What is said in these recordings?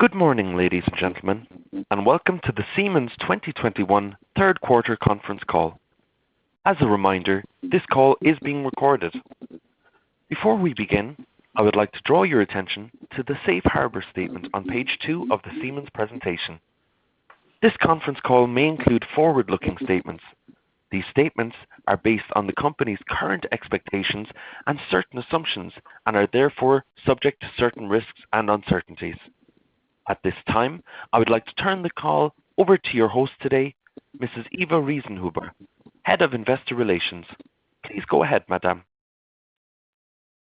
Good morning, ladies and gentlemen, and welcome to the Siemens 2021 third quarter conference call. As a reminder, this call is being recorded. Before we begin, I would like to draw your attention to the Safe Harbor statement on page two of the Siemens presentation. This conference call may include forward-looking statements. These statements are based on the company's current expectations and certain assumptions, and are therefore subject to certain risks and uncertainties. At this time, I would like to turn the call over to your host today, Mrs. Eva Riesenhuber, Head of Investor Relations. Please go ahead, madam.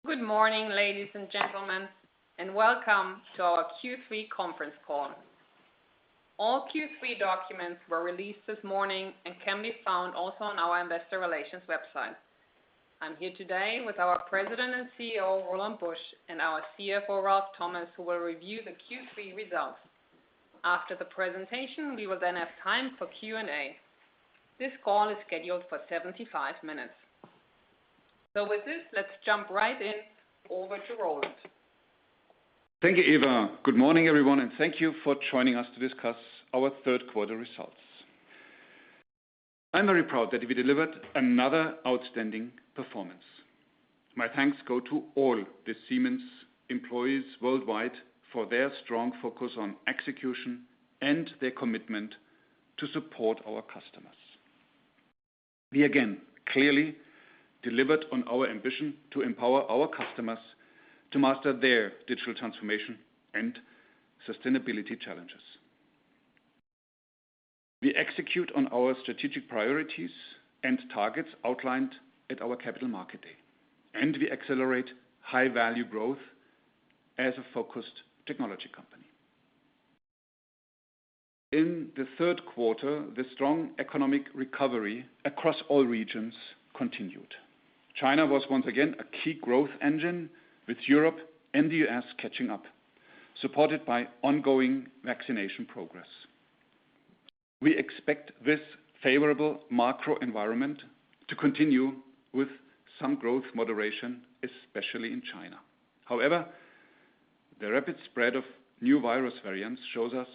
Good morning, ladies and gentlemen, and welcome to our Q3 conference call. All Q3 documents were released this morning and can be found also on our investor relations website. I'm here today with our President and CEO, Roland Busch, and our CFO, Ralf Thomas, who will review the Q3 results. After the presentation, we will then have time for Q&A. This call is scheduled for 75 minutes. With this, let's jump right in. Over to Roland. Thank you, Eva. Good morning, everyone, and thank you for joining us to discuss our third quarter results. I am very proud that we delivered another outstanding performance. My thanks go to all the Siemens employees worldwide for their strong focus on execution and their commitment to support our customers. We again clearly delivered on our ambition to empower our customers to master their digital transformation and sustainability challenges. We execute on our strategic priorities and targets outlined at our Capital Market Day, and we accelerate high-value growth as a focused technology company. In the third quarter, the strong economic recovery across all regions continued. China was once again a key growth engine, with Europe and the U.S. catching up, supported by ongoing vaccination progress. We expect this favorable macro environment to continue with some growth moderation, especially in China. However, the rapid spread of new virus variants shows us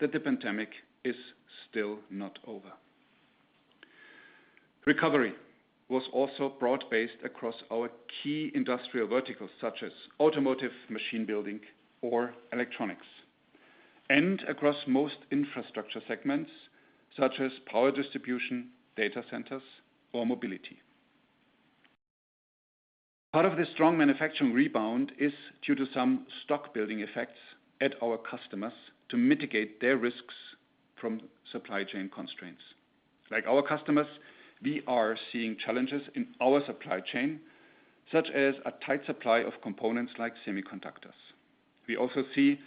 that the pandemic is still not over. Recovery was also broad-based across our key industrial verticals, such as automotive, machine building, or electronics, and across most infrastructure segments such as power distribution, data centers, or mobility. Part of this strong manufacturing rebound is due to some stock-building effects at our customers to mitigate their risks from supply chain constraints. Like our customers, we are seeing challenges in our supply chain, such as a tight supply of components like semiconductors. We also see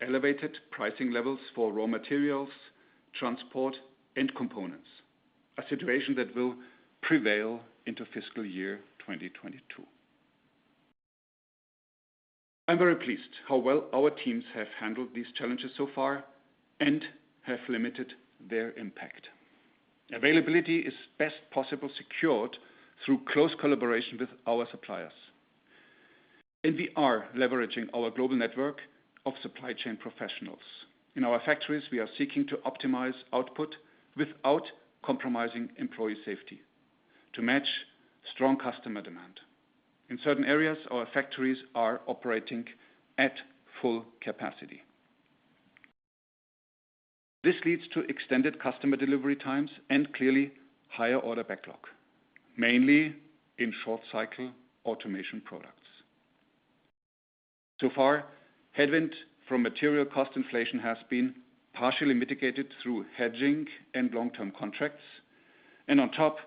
elevated pricing levels for raw materials, transport, and components, a situation that will prevail into fiscal year 2022. I'm very pleased how well our teams have handled these challenges so far and have limited their impact. Availability is best possible secured through close collaboration with our suppliers, and we are leveraging our global network of supply chain professionals. In our factories, we are seeking to optimize output without compromising employee safety to match strong customer demand. In certain areas, our factories are operating at full capacity. This leads to extended customer delivery times and clearly higher order backlog, mainly in short-cycle automation products. So far, headwind from material cost inflation has been partially mitigated through hedging and long-term contracts, and on top,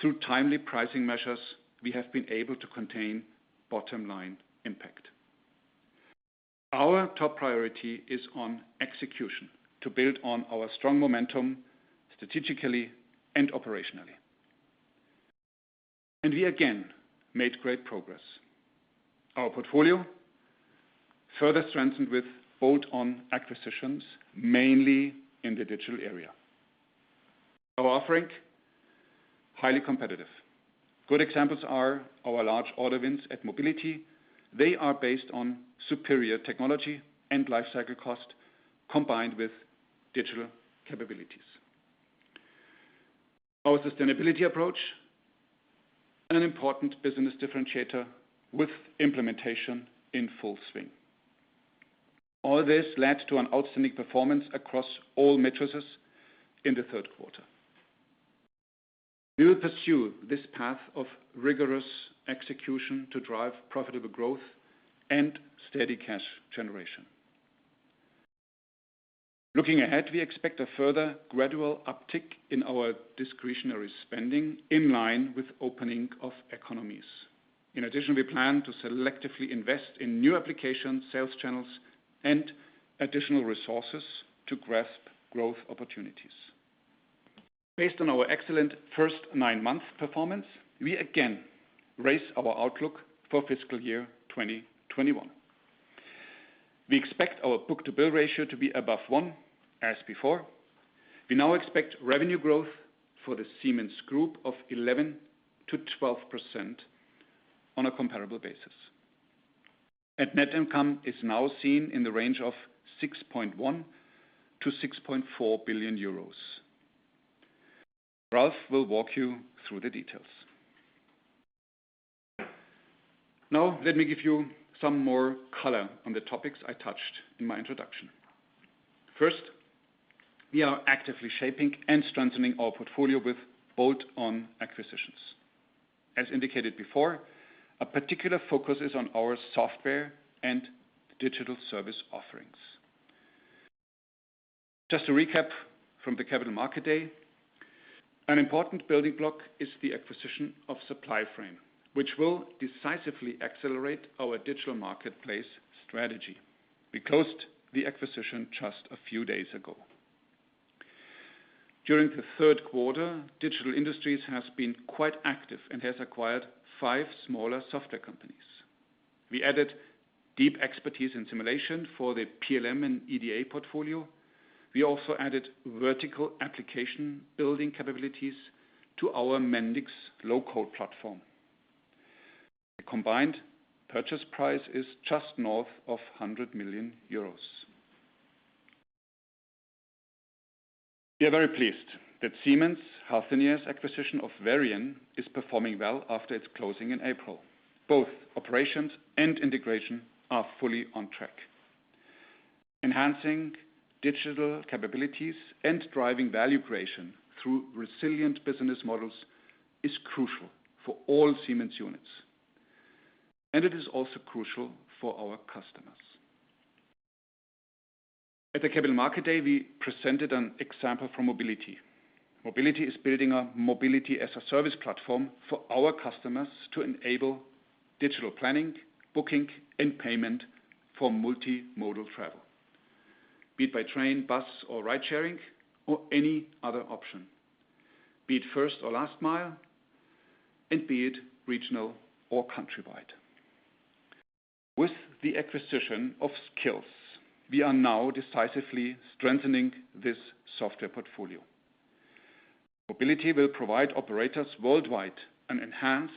through timely pricing measures, we have been able to contain bottom-line impact. Our top priority is on execution to build on our strong momentum strategically and operationally, and we again made great progress. Our portfolio further strengthened with bolt-on acquisitions, mainly in the digital area. Our offering, highly competitive. Good examples are our large order wins at Mobility. They are based on superior technology and life cycle cost combined with digital capabilities. Our sustainability approach, an important business differentiator with implementation in full swing. All this led to an outstanding performance across all metrics in the third quarter. We will pursue this path of rigorous execution to drive profitable growth and steady cash generation. Looking ahead, we expect a further gradual uptick in our discretionary spending in line with opening of economies. We plan to selectively invest in new application sales channels and additional resources to grasp growth opportunities. Based on our excellent first nine-month performance, we again raise our outlook for fiscal year 2021. We expect our book-to-bill ratio to be above one as before. We now expect revenue growth for the Siemens Group of 11%-12% on a comparable basis. Net income is now seen in the range of 6.1 billion-6.4 billion euros. Ralf will walk you through the details. Let me give you some more color on the topics I touched in my introduction. We are actively shaping and strengthening our portfolio with bolt-on acquisitions. As indicated before, a particular focus is on our software and digital service offerings. Just to recap from the Capital Market Day, an important building block is the acquisition of Supplyframe, which will decisively accelerate our digital marketplace strategy. We closed the acquisition just a few days ago. During the third quarter, Digital Industries has been quite active and has acquired five smaller software companies. We added deep expertise in simulation for the PLM and EDA portfolio. We also added vertical application building capabilities to our Mendix low-code platform. The combined purchase price is just north of 100 million euros. We are very pleased that Siemens Healthineers' acquisition of Varian is performing well after its closing in April. Both operations and integration are fully on track. Enhancing digital capabilities and driving value creation through resilient business models is crucial for all Siemens units. It is also crucial for our customers. At the Capital Market Day, we presented an example from Mobility. Mobility is building a mobility-as-a-service platform for our customers to enable digital planning, booking, and payment for multimodal travel, be it by train, bus, or ride-sharing, or any other option, be it first or last mile, and be it regional or country-wide. With the acquisition of Sqills, we are now decisively strengthening this software portfolio. Mobility will provide operators worldwide an enhanced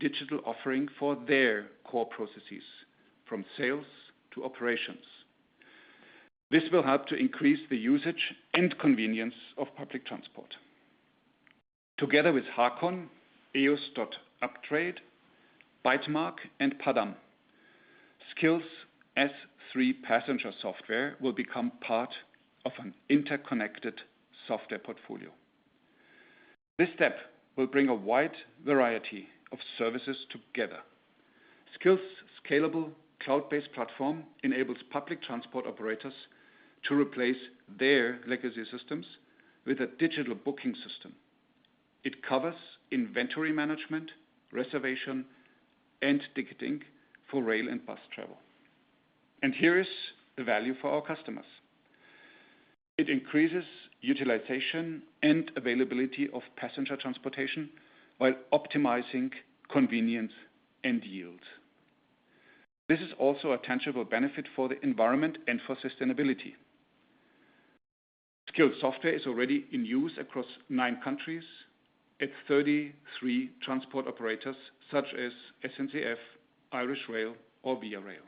digital offering for their core processes, from sales to operations. This will help to increase the usage and convenience of public transport. Together with Hacon, eos.uptrade, Bytemark, and Padam, Sqills' S3 Passenger software will become part of an interconnected software portfolio. This step will bring a wide variety of services together. Sqills' scalable cloud-based platform enables public transport operators to replace their legacy systems with a digital booking system. It covers inventory management, reservation, and ticketing for rail and bus travel. Here is the value for our customers. It increases utilization and availability of passenger transportation while optimizing convenience and yield. This is also a tangible benefit for the environment and for sustainability. Sqills software is already in use across nine countries at 33 transport operators such as SNCF, Irish Rail, or VIA Rail.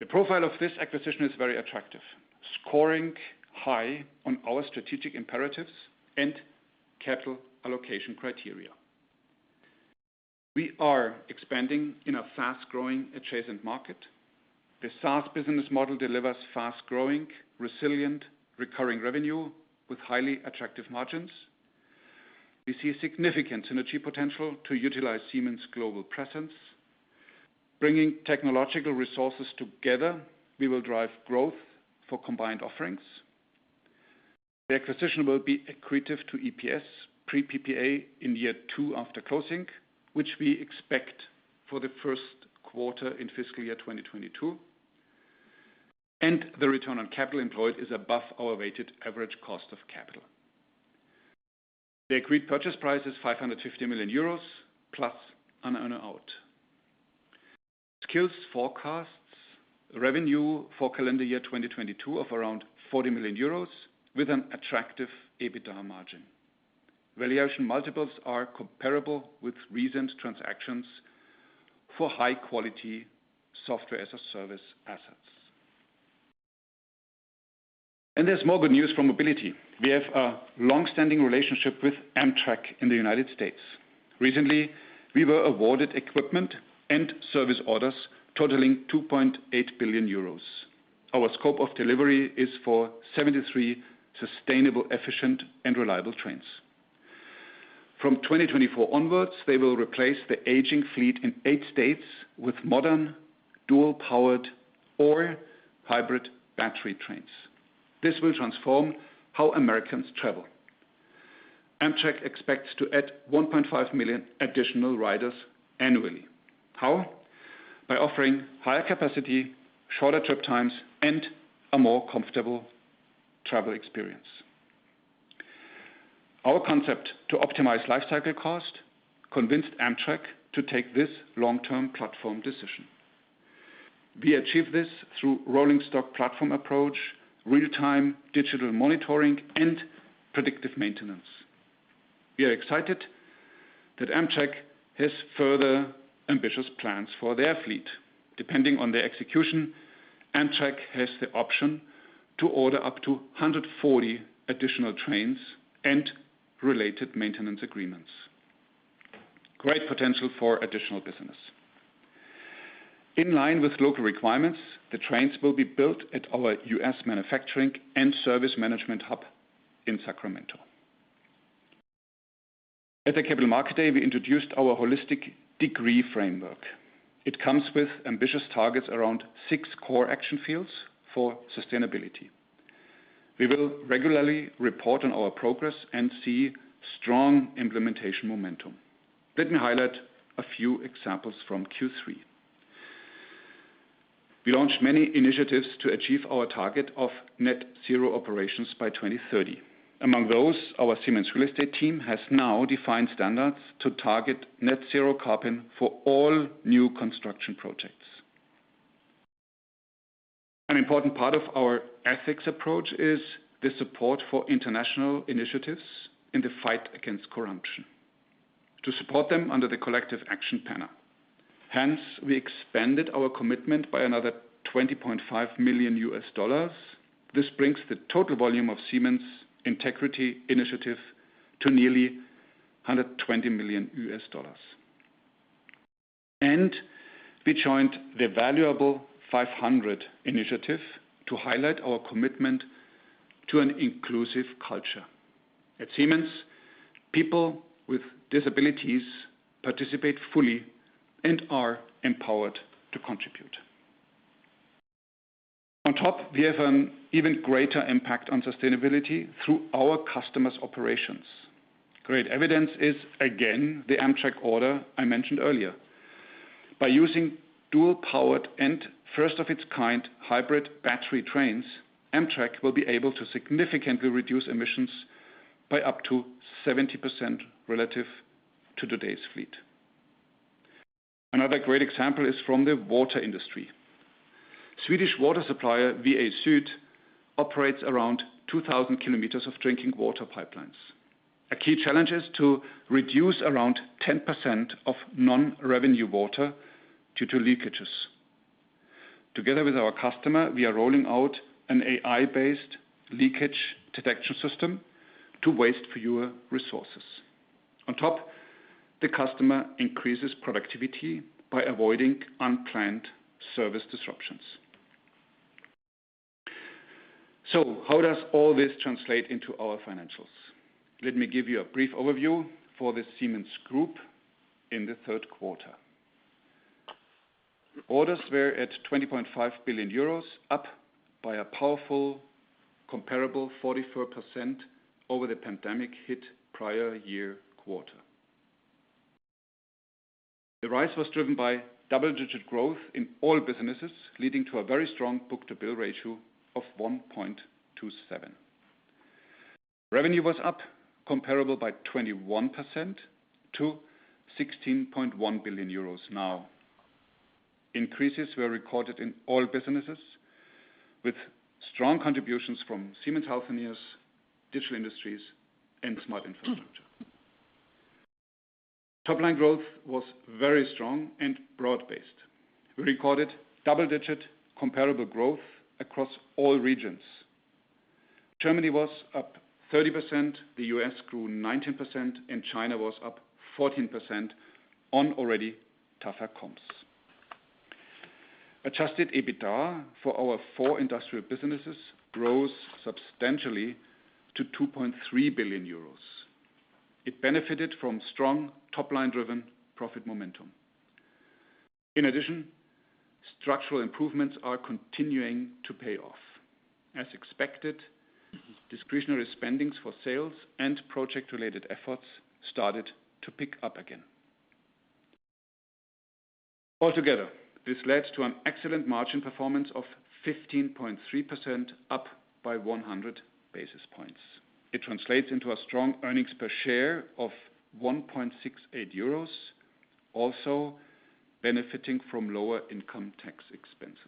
The profile of this acquisition is very attractive, scoring high on our strategic imperatives and capital allocation criteria. We are expanding in a fast-growing adjacent market. The SaaS business model delivers fast-growing, resilient, recurring revenue with highly attractive margins. We see a significant synergy potential to utilize Siemens' global presence. Bringing technological resources together, we will drive growth for combined offerings. The acquisition will be accretive to EPS pre-PPA in year two after closing, which we expect for the first quarter in fiscal year 2022. The return on capital employed is above our weighted average cost of capital. The agreed purchase price is €550 million plus an earn-out. Sqills forecasts revenue for calendar year 2022 of around €40 million with an attractive EBITDA margin. Valuation multiples are comparable with recent transactions for high-quality software-as-a-service assets. There's more good news from Mobility. We have a long-standing relationship with Amtrak in the U.S. Recently, we were awarded equipment and service orders totaling €2.8 billion. Our scope of delivery is for 73 sustainable, efficient, and reliable trains. From 2024 onwards, they will replace the aging fleet in eight states with modern dual-powered or hybrid battery trains. This will transform how Americans travel. Amtrak expects to add 1.5 million additional riders annually. How? By offering higher capacity, shorter trip times, and a more comfortable travel experience. Our concept to optimize life cycle cost convinced Amtrak to take this long-term platform decision. We achieve this through rolling stock platform approach, real-time digital monitoring, and predictive maintenance. We are excited that Amtrak has further ambitious plans for their fleet. Depending on the execution, Amtrak has the option to order up to 140 additional trains and related maintenance agreements. Great potential for additional business. In line with local requirements, the trains will be built at our U.S. manufacturing and service management hub in Sacramento. At the Capital Market Day, we introduced our holistic DEGREE framework. It comes with ambitious targets around six core action fields for sustainability. We will regularly report on our progress and see strong implementation momentum. Let me highlight a few examples from Q3. We launched many initiatives to achieve our target of net zero operations by 2030. Among those, our Siemens Real Estate team has now defined standards to target net zero carbon for all new construction projects. An important part of our ethics approach is the support for international initiatives in the fight against corruption, to support them under the collective action banner. Hence, we expanded our commitment by another $20.5 million. This brings the total volume of Siemens Integrity Initiative to nearly $120 million. We joined The Valuable 500 initiative to highlight our commitment to an inclusive culture. At Siemens, people with disabilities participate fully and are empowered to contribute. On top, we have an even greater impact on sustainability through our customers' operations. Great evidence is, again, the Amtrak order I mentioned earlier. By using dual-powered and first-of-its-kind hybrid battery trains, Amtrak will be able to significantly reduce emissions by up to 70% relative to today's fleet. Another great example is from the water industry. Swedish water supplier VA SYD operates around 2,000 kilometers of drinking water pipelines. A key challenge is to reduce around 10% of non-revenue water due to leakages. Together with our customer, we are rolling out an AI-based leakage detection system to waste fewer resources. On top, the customer increases productivity by avoiding unplanned service disruptions. How does all this translate into our financials? Let me give you a brief overview for the Siemens Group in the third quarter. Orders were at 20.5 billion euros, up by a powerful comparable 44% over the pandemic-hit prior year quarter. The rise was driven by double-digit growth in all businesses, leading to a very strong book-to-bill ratio of 1.27. Revenue was up comparable by 21% to €16.1 billion now. Increases were recorded in all businesses, with strong contributions from Siemens Healthineers, Digital Industries, and Smart Infrastructure. Top-line growth was very strong and broad-based. We recorded double-digit comparable growth across all regions. Germany was up 30%, the U.S. grew 19%, and China was up 14% on already tougher comps. Adjusted EBITDA for our four industrial businesses grows substantially to €2.3 billion. It benefited from strong top-line driven profit momentum. In addition, structural improvements are continuing to pay off. As expected, discretionary spendings for sales and project-related efforts started to pick up again. Altogether, this led to an excellent margin performance of 15.3%, up by 100 basis points. It translates into a strong earnings per share of €1.68, also benefiting from lower income tax expenses.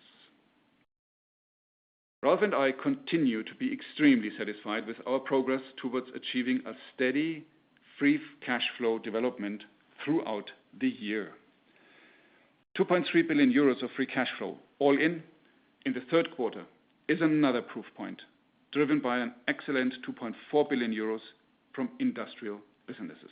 Ralf and I continue to be extremely satisfied with our progress towards achieving a steady, free cash flow development throughout the year. 2.3 billion euros of free cash flow, all in the third quarter is another proof point, driven by an excellent 2.4 billion euros from industrial businesses.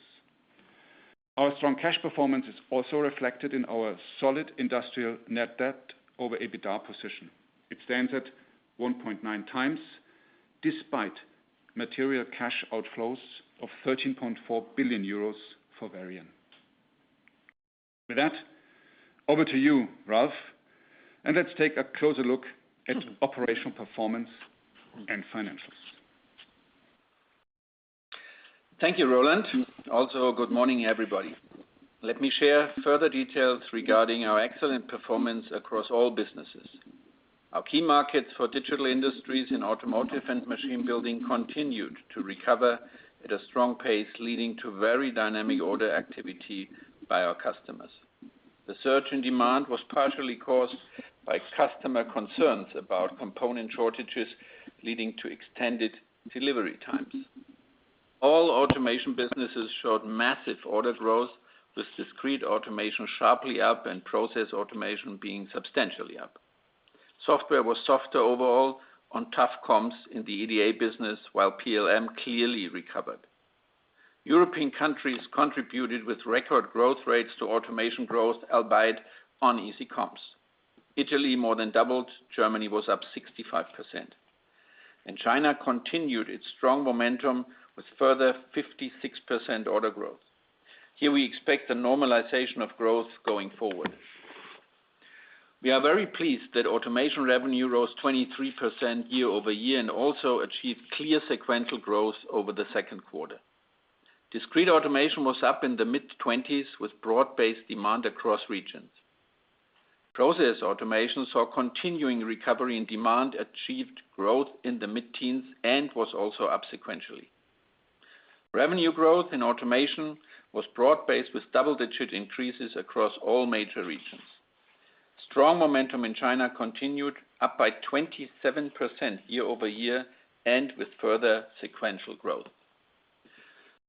Our strong cash performance is also reflected in our solid industrial net debt over EBITDA position. It stands at 1.9 times, despite material cash outflows of 13.4 billion euros for Varian. With that, over to you, Ralf, let's take a closer look at operational performance and financials. Thank you, Roland. Good morning, everybody. Let me share further details regarding our excellent performance across all businesses. Our key markets for Digital Industries in automotive and machine building continued to recover at a strong pace, leading to very dynamic order activity by our customers. The surge in demand was partially caused by customer concerns about component shortages, leading to extended delivery times. All automation businesses showed massive order growth, with discrete automation sharply up and process automation being substantially up. Software was softer overall on tough comps in the EDA business, while PLM clearly recovered. European countries contributed with record growth rates to automation growth, albeit on easy comps. Italy more than doubled. Germany was up 65%. China continued its strong momentum with further 56% order growth. Here we expect a normalization of growth going forward. We are very pleased that automation revenue rose 23% year-over-year and also achieved clear sequential growth over the second quarter. Discrete automation was up in the mid-20s with broad-based demand across regions. Process automation saw continuing recovery and demand, achieved growth in the mid-teens, and was also up sequentially. Revenue growth in automation was broad-based with double-digit increases across all major regions. Strong momentum in China continued up by 27% year-over-year and with further sequential growth.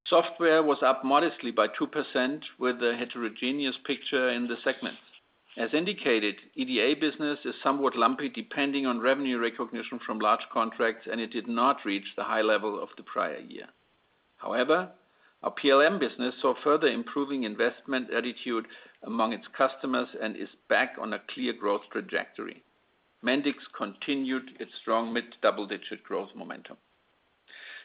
Software was up modestly by 2% with a heterogeneous picture in the segment. As indicated, EDA business is somewhat lumpy, depending on revenue recognition from large contracts, and it did not reach the high level of the prior year. However, our PLM business saw further improving investment attitude among its customers and is back on a clear growth trajectory. Mendix continued its strong mid-double-digit growth momentum.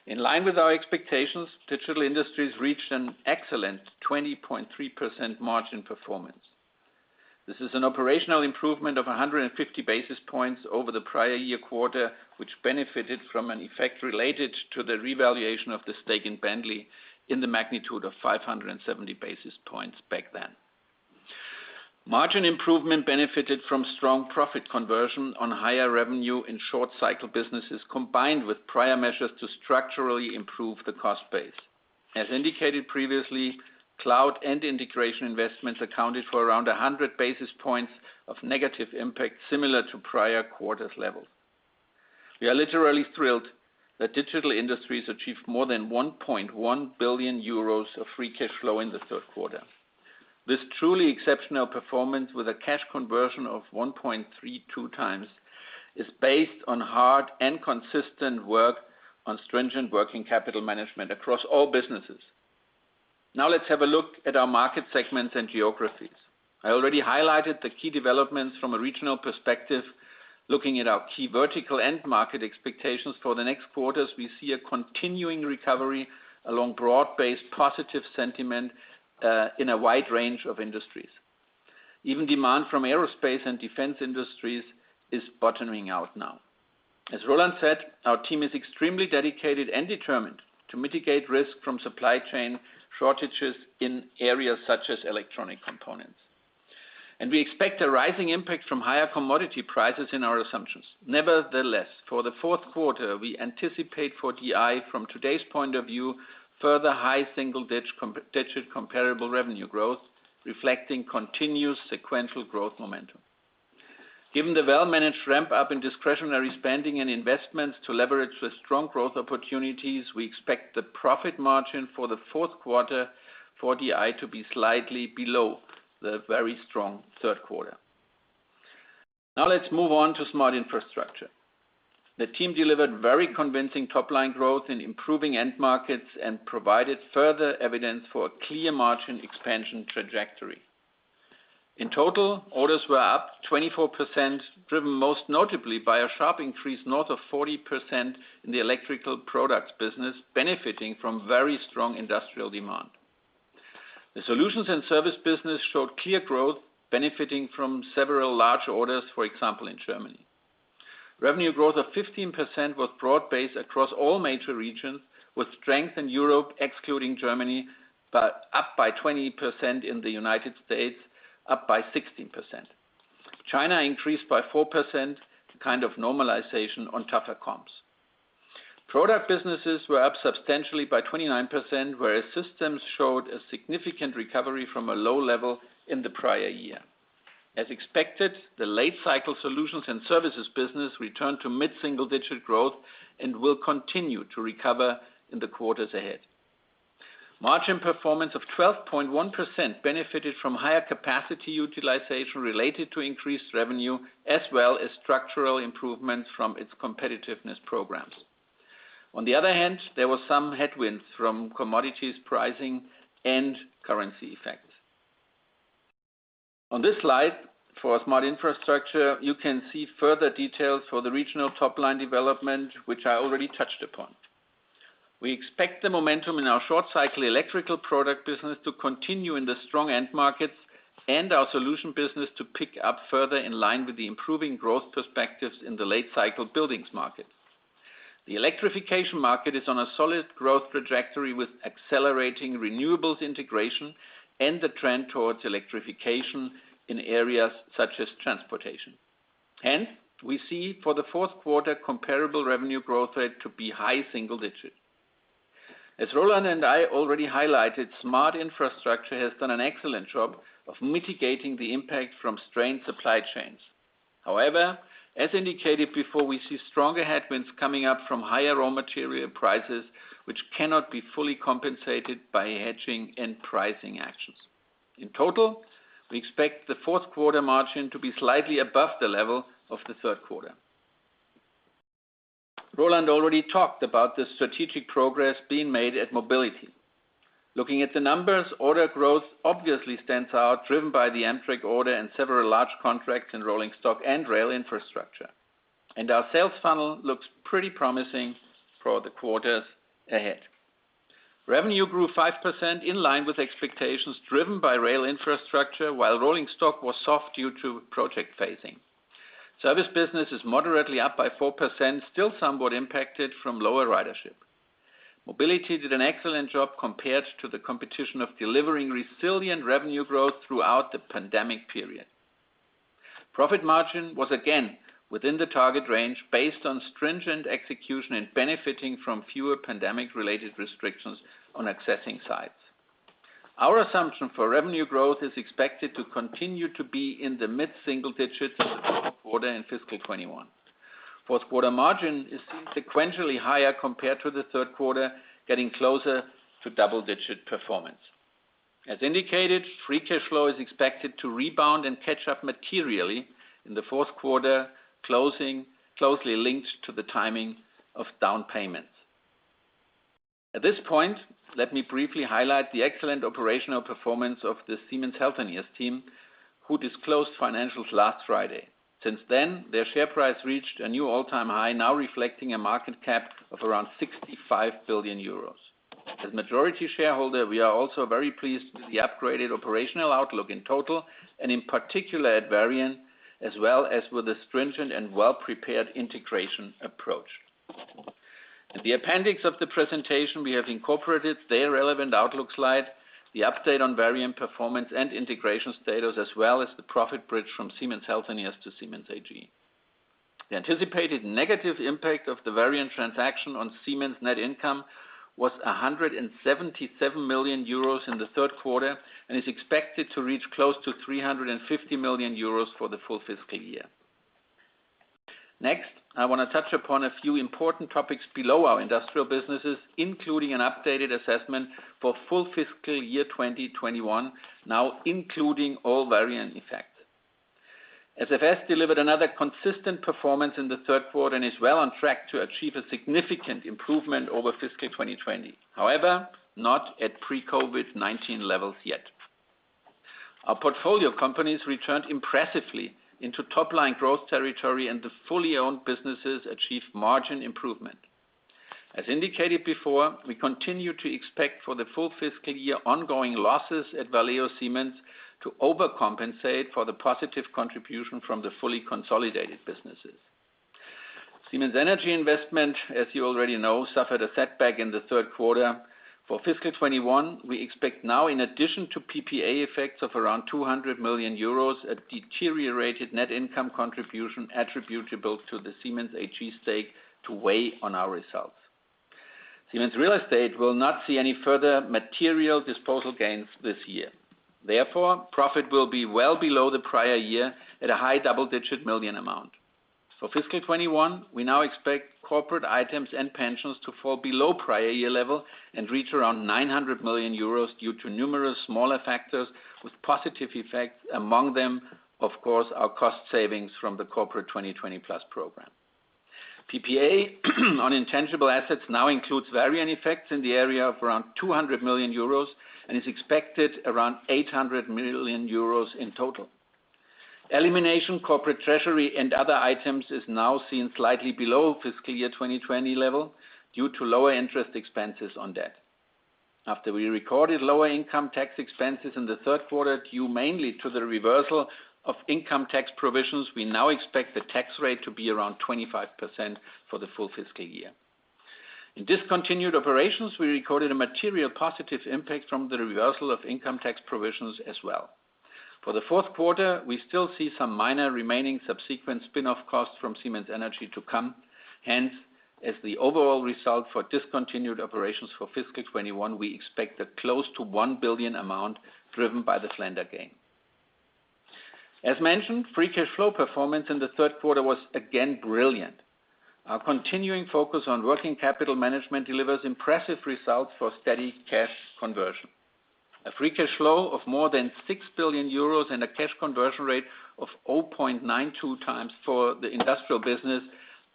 In line with our expectations, Digital Industries reached an excellent 20.3% margin performance. This is an operational improvement of 150 basis points over the prior year quarter, which benefited from an effect related to the revaluation of the stake in Bentley in the magnitude of 570 basis points back then. Margin improvement benefited from strong profit conversion on higher revenue in short cycle businesses, combined with prior measures to structurally improve the cost base. As indicated previously, cloud and integration investments accounted for around 100 basis points of negative impact, similar to prior quarters level. We are literally thrilled that Digital Industries achieved more than 1.1 billion euros of free cash flow in the third quarter. This truly exceptional performance with a cash conversion of 1.32 times is based on hard and consistent work on stringent working capital management across all businesses. Now let's have a look at our market segments and geographies. I already highlighted the key developments from a regional perspective, looking at our key vertical end market expectations. For the next quarters, we see a continuing recovery along broad-based positive sentiment, in a wide range of industries. Even demand from aerospace and defense industries is bottoming out now. As Roland said, our team is extremely dedicated and determined to mitigate risk from supply chain shortages in areas such as electronic components. We expect a rising impact from higher commodity prices in our assumptions. Nevertheless, for the fourth quarter, we anticipate for DI, from today's point of view, further high single-digit comparable revenue growth reflecting continuous sequential growth momentum. Given the well-managed ramp-up in discretionary spending and investments to leverage the strong growth opportunities, we expect the profit margin for the fourth quarter for DI to be slightly below the very strong third quarter. Let's move on to Smart Infrastructure. The team delivered very convincing top-line growth in improving end markets and provided further evidence for a clear margin expansion trajectory. In total, orders were up 24%, driven most notably by a sharp increase north of 40% in the electrical products business, benefiting from very strong industrial demand. The solutions and service business showed clear growth, benefiting from several large orders, for example, in Germany. Revenue growth of 15% was broad-based across all major regions, with strength in Europe excluding Germany, but up by 20% in the United States, up by 16%. China increased by 4%, a kind of normalization on tougher comps. Product businesses were up substantially by 29%, whereas systems showed a significant recovery from a low level in the prior year. As expected, the late cycle solutions and services business returned to mid-single-digit growth and will continue to recover in the quarters ahead. Margin performance of 12.1% benefited from higher capacity utilization related to increased revenue, as well as structural improvements from its competitiveness programs. On the other hand, there were some headwinds from commodities pricing and currency effects. On this slide for Smart Infrastructure, you can see further details for the regional top-line development, which I already touched upon. We expect the momentum in our short cycle electrical product business to continue in the strong end markets and our solution business to pick up further in line with the improving growth perspectives in the late cycle buildings market. The electrification market is on a solid growth trajectory with accelerating renewables integration and the trend towards electrification in areas such as transportation. We see for the fourth quarter comparable revenue growth rate to be high single digits. As Roland and I already highlighted, Smart Infrastructure has done an excellent job of mitigating the impact from strained supply chains. As indicated before, we see stronger headwinds coming up from higher raw material prices, which cannot be fully compensated by hedging and pricing actions. In total, we expect the fourth quarter margin to be slightly above the level of the third quarter. Roland already talked about the strategic progress being made at Mobility. Looking at the numbers, order growth obviously stands out, driven by the Amtrak order and several large contracts in rolling stock and rail infrastructure. Our sales funnel looks pretty promising for the quarters ahead. Revenue grew 5% in line with expectations, driven by rail infrastructure while rolling stock was soft due to project phasing. Service business is moderately up by 4%, still somewhat impacted from lower ridership. Mobility did an excellent job compared to the competition of delivering resilient revenue growth throughout the pandemic period. Profit margin was again within the target range based on stringent execution and benefiting from fewer pandemic-related restrictions on accessing sites. Our assumption for revenue growth is expected to continue to be in the mid-single digits in the fourth quarter and fiscal 2021. Fourth quarter margin is sequentially higher compared to the third quarter, getting closer to double-digit performance. As indicated, free cash flow is expected to rebound and catch up materially in the fourth quarter, closely linked to the timing of down payments. At this point, let me briefly highlight the excellent operational performance of the Siemens Healthineers team, who disclosed financials last Friday. Since then, their share price reached a new all-time high, now reflecting a market cap of around 65 billion euros. As majority shareholder, we are also very pleased with the upgraded operational outlook in total and in particular at Varian, as well as with the stringent and well-prepared integration approach. In the appendix of the presentation, we have incorporated their relevant outlook slide, the update on Varian performance and integration status, as well as the profit bridge from Siemens Healthineers to Siemens AG. The anticipated negative impact of the Varian transaction on Siemens' net income was 177 million euros in the third quarter and is expected to reach close to 350 million euros for the full fiscal year. Next, I want to touch upon a few important topics below our industrial businesses, including an updated assessment for full fiscal year 2021, now including all Varian effects. SFS delivered another consistent performance in the third quarter and is well on track to achieve a significant improvement over fiscal 2020. However, not at pre-COVID-19 levels yet. Our portfolio companies returned impressively into top-line growth territory, and the fully owned businesses achieved margin improvement. As indicated before, we continue to expect for the full fiscal year ongoing losses at Valeo Siemens to overcompensate for the positive contribution from the fully consolidated businesses. Siemens Energy investment, as you already know, suffered a setback in the third quarter. For fiscal 2021, we expect now, in addition to PPA effects of around 200 million euros, a deteriorated net income contribution attributable to the Siemens AG stake to weigh on our results. Siemens Real Estate will not see any further material disposal gains this year. Therefore, profit will be well below the prior year at a high double-digit million amount. For fiscal 2021, we now expect corporate items and pensions to fall below prior year level and reach around 900 million euros due to numerous smaller factors with positive effects, among them, of course, our cost savings from the Corporate 2020 Plus program. PPA on intangible assets now includes Varian effects in the area of around 200 million euros and is expected around 800 million euros in total. Elimination corporate treasury and other items is now seen slightly below fiscal year 2020 level due to lower interest expenses on debt. After we recorded lower income tax expenses in the third quarter due mainly to the reversal of income tax provisions, we now expect the tax rate to be around 25% for the full fiscal year. In discontinued operations, we recorded a material positive impact from the reversal of income tax provisions as well. For the fourth quarter, we still see some minor remaining subsequent spin-off costs from Siemens Energy to come. As the overall result for discontinued operations for fiscal 2021, we expect a close to 1 billion amount driven by the Flender gain. As mentioned, free cash flow performance in the third quarter was again brilliant. Our continuing focus on working capital management delivers impressive results for steady cash conversion. A free cash flow of more than 6 billion euros and a cash conversion rate of 0.92 times for the industrial business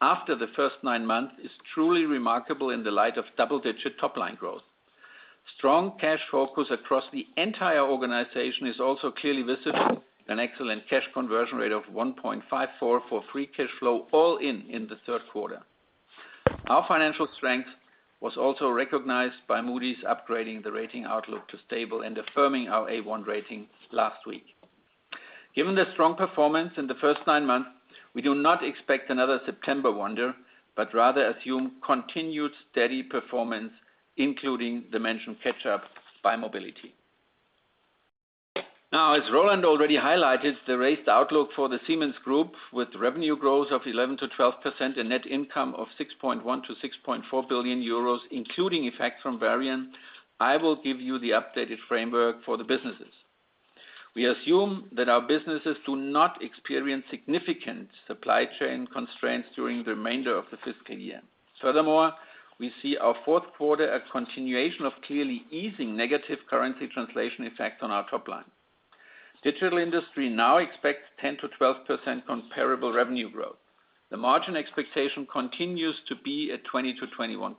after the first nine months is truly remarkable in the light of double-digit top-line growth. Strong cash focus across the entire organization is also clearly visible, an excellent cash conversion rate of 1.54 for free cash flow all in in the third quarter. Our financial strength was also recognized by Moody's upgrading the rating outlook to stable and affirming our A1 rating last week. Given the strong performance in the first nine months, we do not expect another September wonder, but rather assume continued steady performance, including the mentioned catch-up by Mobility. As Roland already highlighted, the raised outlook for the Siemens Group with revenue growth of 11%-12% and net income of 6.1 billion-6.4 billion euros, including effect from Varian. I will give you the updated framework for the businesses. We assume that our businesses do not experience significant supply chain constraints during the remainder of the fiscal year. Furthermore, we see our fourth quarter a continuation of clearly easing negative currency translation effects on our top line. Digital Industries now expects 10%-12% comparable revenue growth. The margin expectation continues to be at 20%-21%.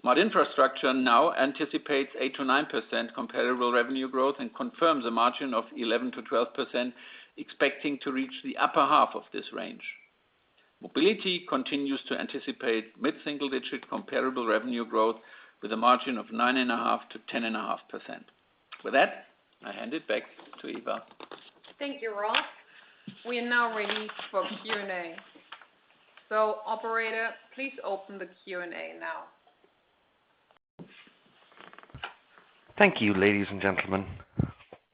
Smart Infrastructure now anticipates 8%-9% comparable revenue growth and confirms a margin of 11%-12%, expecting to reach the upper half of this range. Mobility continues to anticipate mid-single-digit comparable revenue growth with a margin of 9.5%-10.5%. With that, I hand it back to Eva. Thank you, Ralf. We are now ready for Q&A. Operator, please open the Q&A now. Thank you, ladies and gentlemen.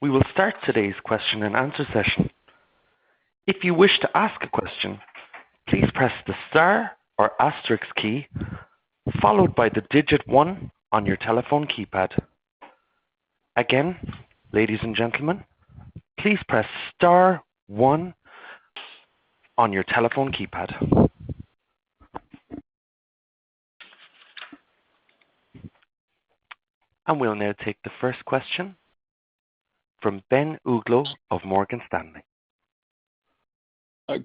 We will start today's question and answer session. If you wish to ask a question, please press the star or asterisk key, followed by the digit one on your telephone keypad. Again, ladies and gentlemen, please press star one on your telephone keypad. We'll now take the first question from Ben Uglow of Morgan Stanley.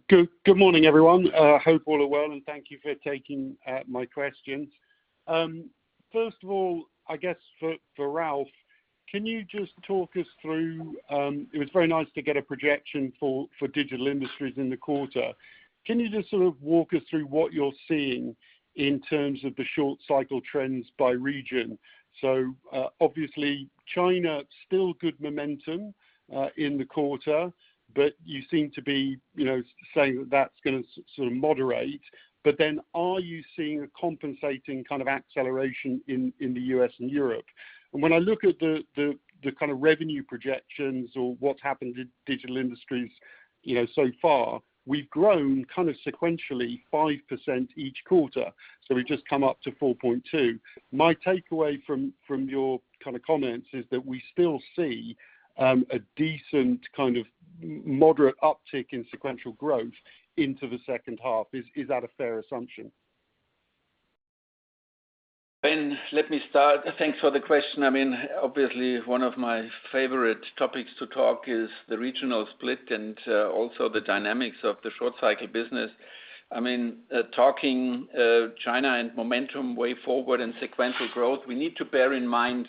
Good morning, everyone. Hope all are well, and thank you for taking my questions. First of all, I guess for Ralf, can you just talk us through, it was very nice to get a projection for Digital Industries in the quarter. Can you just sort of walk us through what you're seeing in terms of the short cycle trends by region? Obviously China, still good momentum in the quarter, but you seem to be saying that's going to sort of moderate. Are you seeing a compensating kind of acceleration in the U.S. and Europe? When I look at the kind of revenue projections or what's happened in Digital Industries so far, we've grown kind of sequentially 5% each quarter. We've just come up to 4.2. My takeaway from your kind of comments is that we still see a decent kind of moderate uptick in sequential growth into the second half. Is that a fair assumption? Ben, let me start. Thanks for the question. Obviously, one of my favorite topics to talk is the regional split and also the dynamics of the short cycle business. Talking China and momentum way forward and sequential growth, we need to bear in mind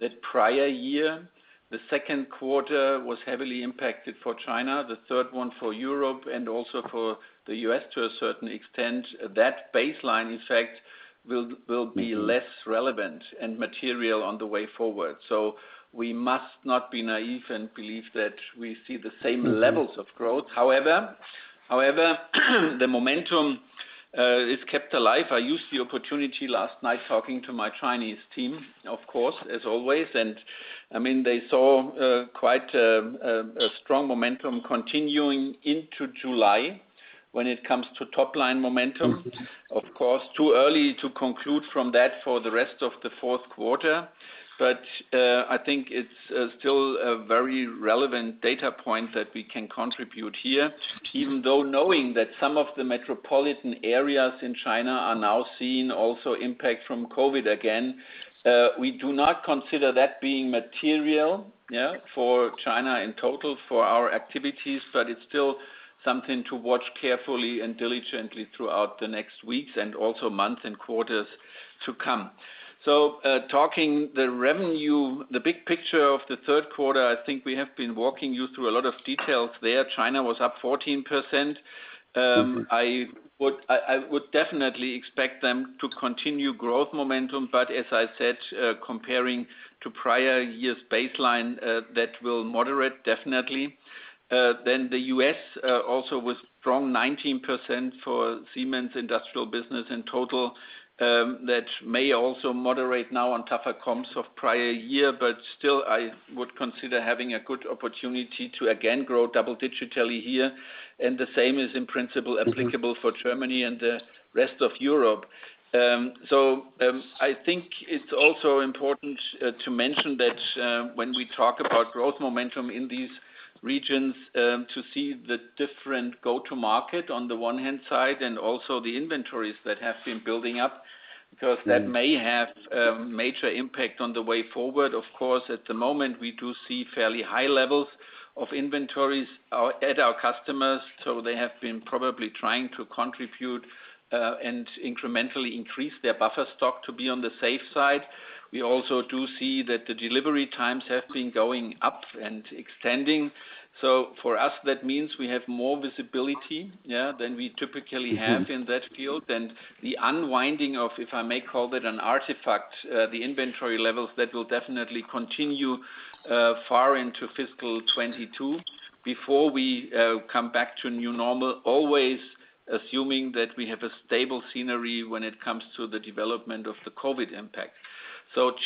that prior year, the second quarter was heavily impacted for China, the third one for Europe and also for the U.S. to a certain extent. That baseline, in fact, will be less relevant and material on the way forward. We must not be naive and believe that we see the same levels of growth. However, the momentum is kept alive. I used the opportunity last night talking to my Chinese team, of course, as always, and they saw quite a strong momentum continuing into July when it comes to top-line momentum. Of course, too early to conclude from that for the rest of the fourth quarter. I think it's still a very relevant data point that we can contribute here, even though knowing that some of the metropolitan areas in China are now seeing also impact from COVID again. We do not consider that being material for China in total for our activities, but it's still something to watch carefully and diligently throughout the next weeks and also months and quarters to come. Talking the revenue, the big picture of the third quarter, I think we have been walking you through a lot of details there. China was up 14%. I would definitely expect them to continue growth momentum, but as I said, comparing to prior year's baseline, that will moderate definitely. The U.S. also was strong, 19% for Siemens industrial business in total. That may also moderate now on tougher comps of prior year, but still I would consider having a good opportunity to again grow double digitally here. The same is in principle applicable for Germany and the rest of Europe. I think it's also important to mention that when we talk about growth momentum in these regions, to see the different go-to market on the one hand side and also the inventories that have been building up, because that may have a major impact on the way forward. Of course, at the moment, we do see fairly high levels of inventories at our customers, so they have been probably trying to contribute, and incrementally increase their buffer stock to be on the safe side. We also do see that the delivery times have been going up and extending. For us, that means we have more visibility than we typically have in that field. The unwinding of, if I may call it an artifact, the inventory levels, that will definitely continue far into fiscal 2022 before we come back to a new normal, always assuming that we have a stable scenery when it comes to the development of the COVID impact.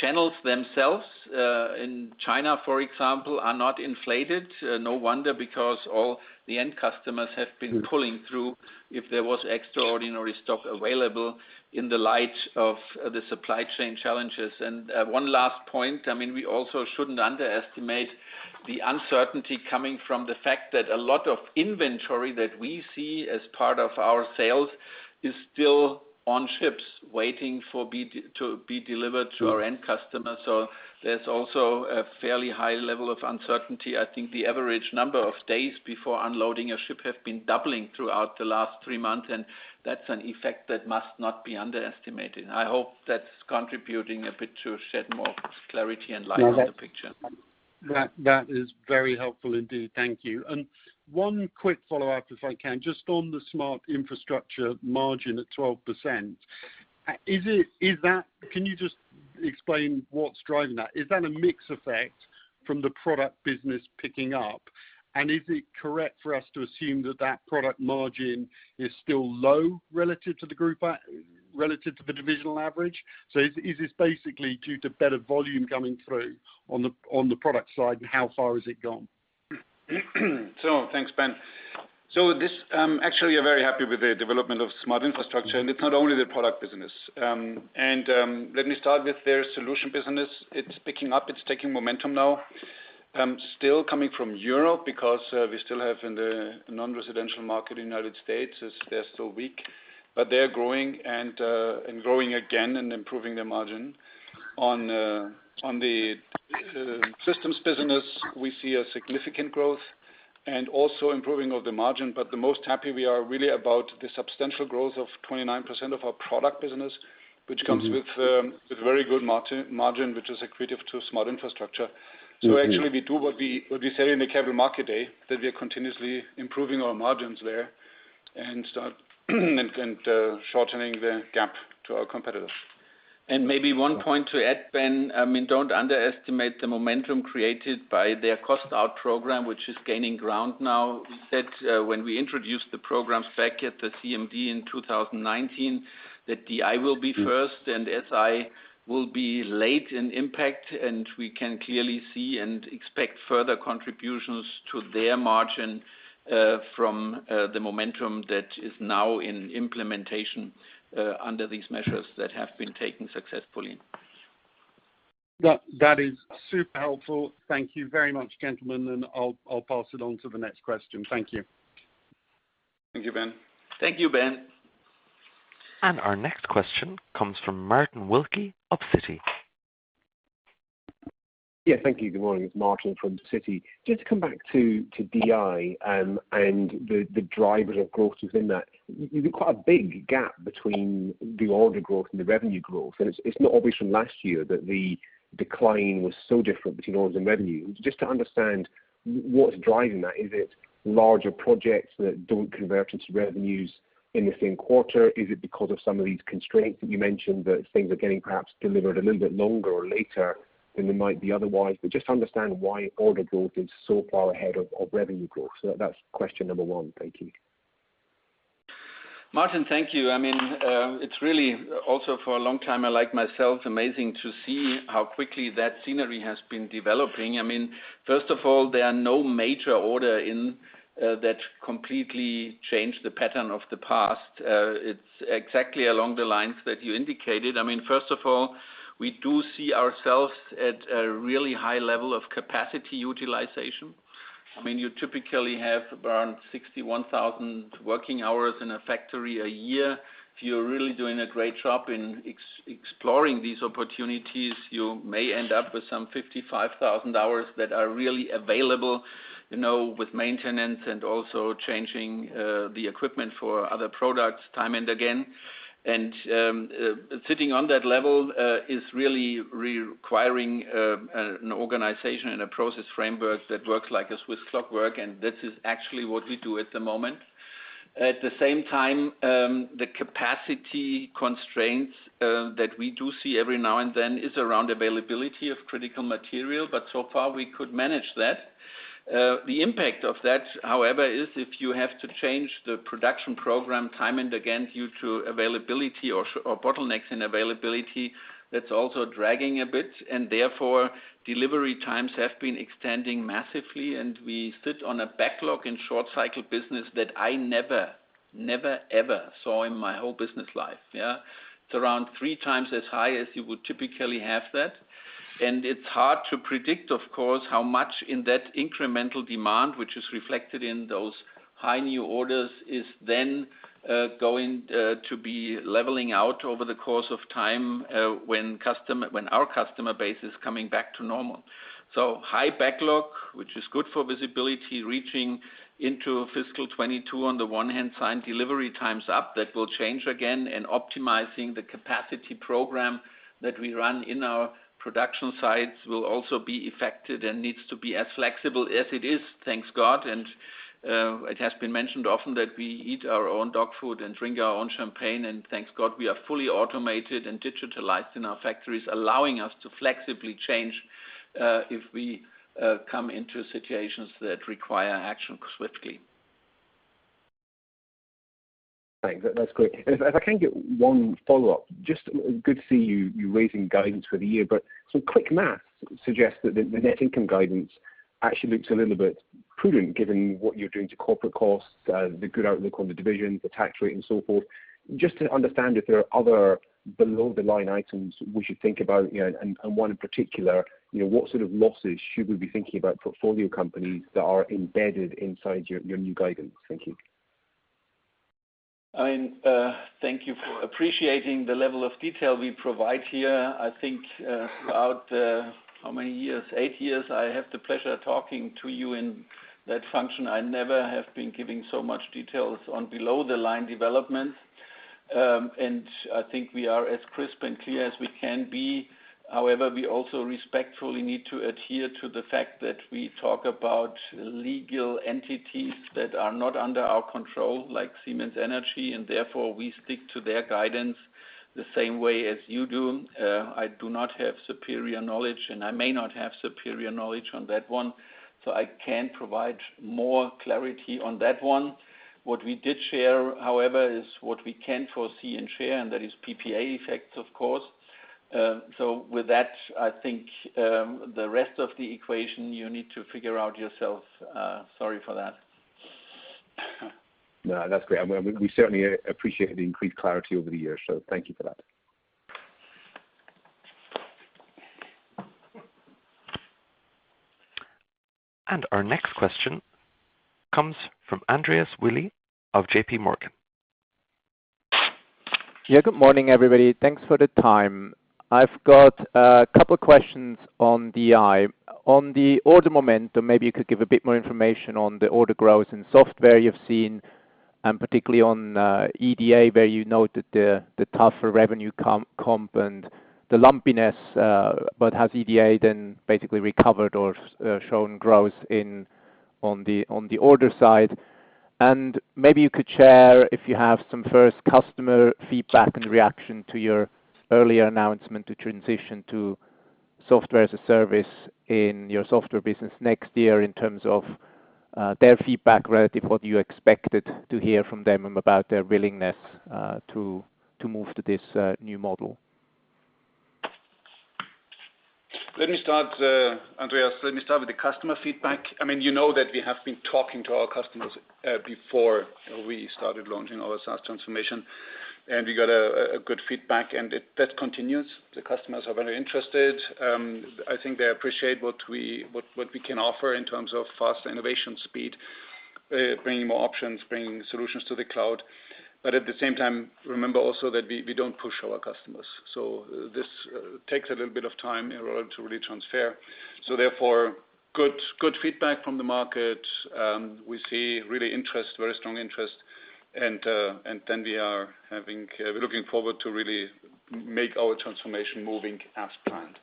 Channels themselves, in China, for example, are not inflated. No wonder because all the end customers have been pulling through if there was extraordinary stock available in the light of the supply chain challenges. One last point, we also shouldn't underestimate the uncertainty coming from the fact that a lot of inventory that we see as part of our sales is still on ships waiting to be delivered to our end customers. There's also a fairly high level of uncertainty. I think the average number of days before unloading a ship have been doubling throughout the last three months, and that's an effect that must not be underestimated. I hope that's contributing a bit to shed more clarity and light on the picture. That is very helpful indeed. Thank you. One quick follow-up, if I can, just on the Smart Infrastructure margin at 12%. Can you just explain what's driving that? Is that a mix effect from the product business picking up? Is it correct for us to assume that that product margin is still low relative to the divisional average? Is this basically due to better volume coming through on the product side, and how far has it gone? Thanks, Ben. This, actually we're very happy with the development of Smart Infrastructure, and it's not only the product business. Let me start with their solution business. It's picking up. It's taking momentum now. Still coming from Europe because we still have in the non-residential market in U.S., they're still weak. They're growing and growing again and improving their margin. On the systems business, we see a significant growth and also improving of the margin, but the most happy we are really about the substantial growth of 29% of our product business, which comes with very good margin, which is accretive to Smart Infrastructure. Actually, we do what we say in the Capital Market Day, that we are continuously improving our margins there and start and shortening the gap to our competitors. Maybe one point to add, Ben, don't underestimate the momentum created by their cost-out program, which is gaining ground now. We said when we introduced the programs back at the CMD in 2019, that DI will be first and SI will be late in impact, and we can clearly see and expect further contributions to their margin from the momentum that is now in implementation under these measures that have been taken successfully. That is super helpful. Thank you very much, gentlemen. I'll pass it on to the next question. Thank you. Thank you, Ben. Thank you, Ben. Our next question comes from Martin Wilkie of Citi. Yeah. Thank you. Good morning. It's Martin from Citi. Just to come back to DI and the drivers of growth within that, you've got quite a big gap between the order growth and the revenue growth, and it's not obvious from last year that the decline was so different between orders and revenue. Just to understand what's driving that, is it larger projects that don't convert into revenues in the same quarter? Is it because of some of these constraints that you mentioned, that things are getting perhaps delivered a little bit longer or later than they might be otherwise? Just to understand why order growth is so far ahead of revenue growth. That's question number one. Thank you. Martin, thank you. It's really also for a long time, unlike myself, amazing to see how quickly that scenery has been developing. There are no major order in that completely changed the pattern of the past. It's exactly along the lines that you indicated. We do see ourselves at a really high level of capacity utilization. You typically have around 61,000 working hours in a factory a year. If you're really doing a great job in exploring these opportunities, you may end up with some 55,000 hours that are really available, with maintenance and also changing the equipment for other products time and again. Sitting on that level is really requiring an organization and a process framework that works like a Swiss clockwork, and this is actually what we do at the moment. At the same time, the capacity constraints that we do see every now and then is around availability of critical material, but so far, we could manage that. The impact of that, however, is if you have to change the production program time and again due to availability or bottlenecks in availability, that's also dragging a bit, and therefore, delivery times have been extending massively, and we sit on a backlog in short cycle business that I never, ever saw in my whole business life. Yeah. It's around three times as high as you would typically have that. It's hard to predict, of course, how much in that incremental demand, which is reflected in those high new orders, is then going to be leveling out over the course of time when our customer base is coming back to normal. High backlog, which is good for visibility, reaching into fiscal 2022. On the one hand side, delivery time's up. That will change again, and optimizing the capacity program that we run in our production sites will also be affected and needs to be as flexible as it is, thanks, God. It has been mentioned often that we eat our own dog food and drink our own champagne, and thanks, God, we are fully automated and digitalized in our factories, allowing us to flexibly change if we come into situations that require action swiftly. Thanks. That's great. If I can get one follow-up, just good to see you raising guidance for the year. Some quick math suggests that the net income guidance actually looks a little bit prudent, given what you're doing to corporate costs, the good outlook on the division, the tax rate, and so forth. Just to understand if there are other below-the-line items we should think about, and one in particular, what sort of losses should we be thinking about for portfolio companies that are embedded inside your new guidance? Thank you. Thank you for appreciating the level of detail we provide here. I think throughout, how many years? Eight years I have the pleasure of talking to you in that function. I never have been giving so much details on below the line development. I think we are as crisp and clear as we can be. However, we also respectfully need to adhere to the fact that we talk about legal entities that are not under our control, like Siemens Energy, and therefore, we stick to their guidance the same way as you do. I do not have superior knowledge, and I may not have superior knowledge on that one, so I can't provide more clarity on that one. What we did share, however, is what we can foresee and share, and that is PPA effects, of course. With that, I think the rest of the equation, you need to figure out yourself. Sorry for that. No, that's great. We certainly appreciate the increased clarity over the years. Thank you for that. Our next question comes from Andreas Willi of JPMorgan. Yeah. Good morning, everybody. Thanks for the time. I've got a couple questions on DI. On the order momentum, maybe you could give a bit more information on the order growth in software you've seen. Particularly on EDA, where you noted the tougher revenue comp and the lumpiness. Has EDA then basically recovered or shown growth on the order side? Maybe you could share, if you have some first customer feedback and reaction to your earlier announcement to transition to software as a service in your software business next year in terms of their feedback relative what you expected to hear from them about their willingness to move to this new model. Andreas, let me start with the customer feedback. You know that we have been talking to our customers before we started launching our SaaS transformation. We got a good feedback, and that continues. The customers are very interested. I think they appreciate what we can offer in terms of faster innovation speed, bringing more options, bringing solutions to the cloud. At the same time, remember also that we don't push our customers. This takes a little bit of time in order to really transfer. Therefore, good feedback from the market. We see really interest, very strong interest. We're looking forward to really make our transformation moving as planned.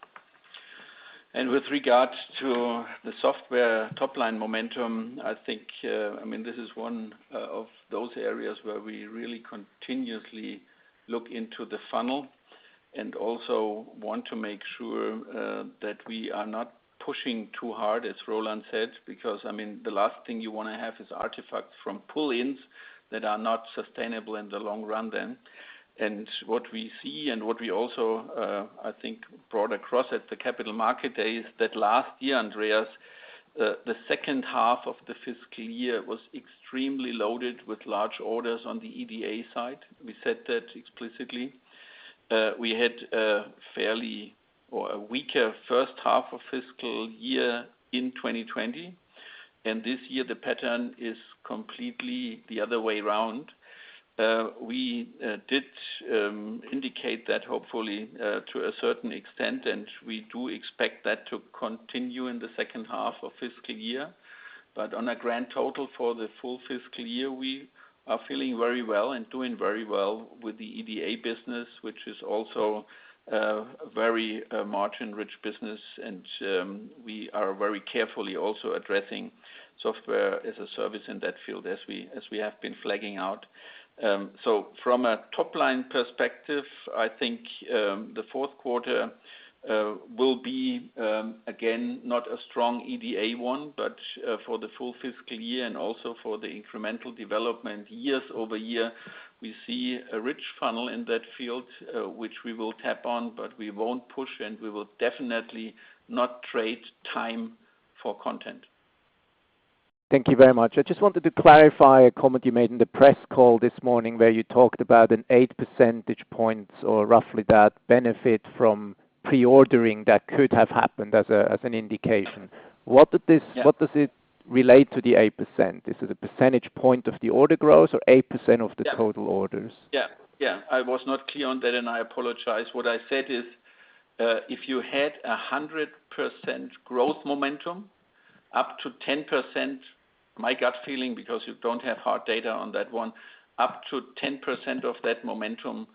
With regards to the software top-line momentum, this is one of those areas where we really continuously look into the funnel and also want to make sure that we are not pushing too hard, as Roland said, because the last thing you want to have is artifacts from pull-ins that are not sustainable in the long run then. What we see and what we also, I think, brought across at the Capital Market Day is that last year, Andreas, the second half of the fiscal year was extremely loaded with large orders on the EDA side. We said that explicitly. We had a weaker first half of fiscal year in 2020, and this year, the pattern is completely the other way around. We did indicate that hopefully to a certain extent, and we do expect that to continue in the second half of fiscal year. On a grand total for the full fiscal year, we are feeling very well and doing very well with the EDA business, which is also a very margin-rich business. We are very carefully also addressing software as a service in that field, as we have been flagging out. From a top-line perspective, I think the fourth quarter will be, again, not a strong EDA one. For the full fiscal year and also for the incremental development year-over-year, we see a rich funnel in that field, which we will tap on. We won't push, and we will definitely not trade time for content. Thank you very much. I just wanted to clarify a comment you made in the press call this morning where you talked about an 8 percentage points or roughly that benefit from pre-ordering that could have happened as an indication. What does it relate to the 8%? Is it a percentage point of the order growth or 8% of the total orders? Yeah. I was not clear on that, and I apologize. What I said is. If you had 100% growth momentum, up to 10%, my gut feeling, because you don't have hard data on that one, up to 10% of that momentum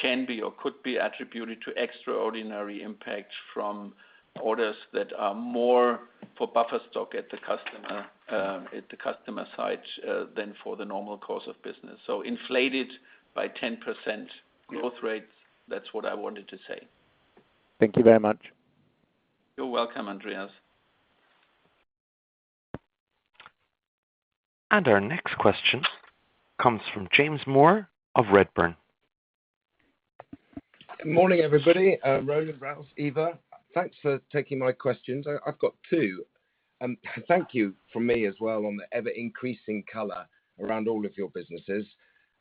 can be or could be attributed to extraordinary impact from orders that are more for buffer stock at the customer side than for the normal course of business. Inflated by 10% growth rates. That's what I wanted to say. Thank you very much. You're welcome, Andreas. Our next question comes from James Moore of Redburn. Morning, everybody. Roland, Ralf, Eva, thanks for taking my questions. I've got two. Thank you from me as well on the ever-increasing color around all of your businesses.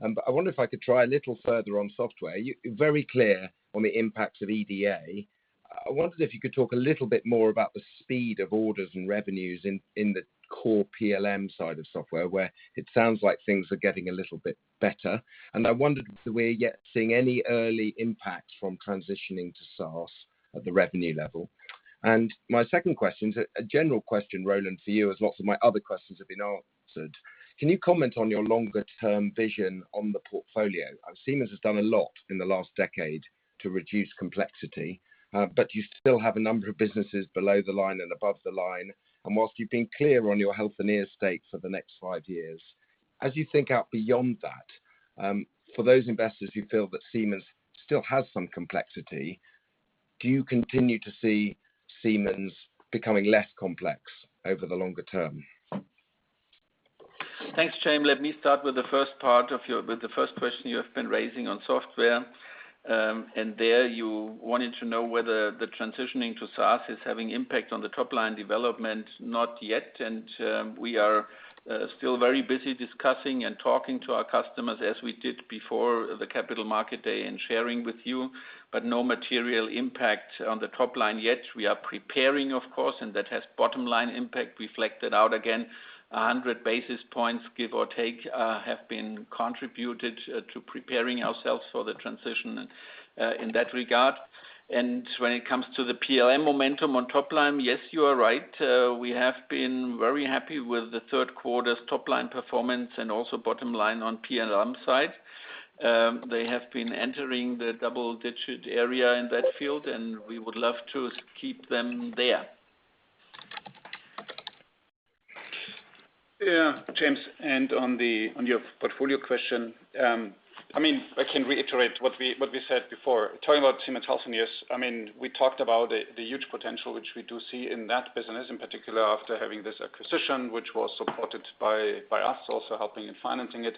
I wonder if I could try a little further on software. You're very clear on the impact of EDA. I wondered if you could talk a little bit more about the speed of orders and revenues in the core PLM side of software, where it sounds like things are getting a little bit better. I wondered if we're yet seeing any early impact from transitioning to SaaS at the revenue level. My second question is a general question, Roland, for you, as lots of my other questions have been answered. Can you comment on your longer-term vision on the portfolio? Siemens has done a lot in the last decade to reduce complexity. You still have a number of businesses below the line and above the line. While you've been clear on your Healthineers stake for the next five years, as you think out beyond that, for those investors who feel that Siemens still has some complexity, do you continue to see Siemens becoming less complex over the longer term? Thanks, James. Let me start with the first question you have been raising on software. There you wanted to know whether the transitioning to SaaS is having impact on the top-line development. Not yet, and we are still very busy discussing and talking to our customers as we did before the Capital Market Day and sharing with you, but no material impact on the top line yet. We are preparing, of course, and that has bottom-line impact reflected out again, 100 basis points, give or take, have been contributed to preparing ourselves for the transition in that regard. When it comes to the PLM momentum on top line, yes, you are right. We have been very happy with the third quarter's top-line performance and also bottom line on PLM side. They have been entering the double-digit area in that field, and we would love to keep them there. Yeah, James, on your portfolio question, I can reiterate what we said before, talking about Siemens Healthineers. We talked about the huge potential which we do see in that business, in particular after having this acquisition, which was supported by us also helping in financing it.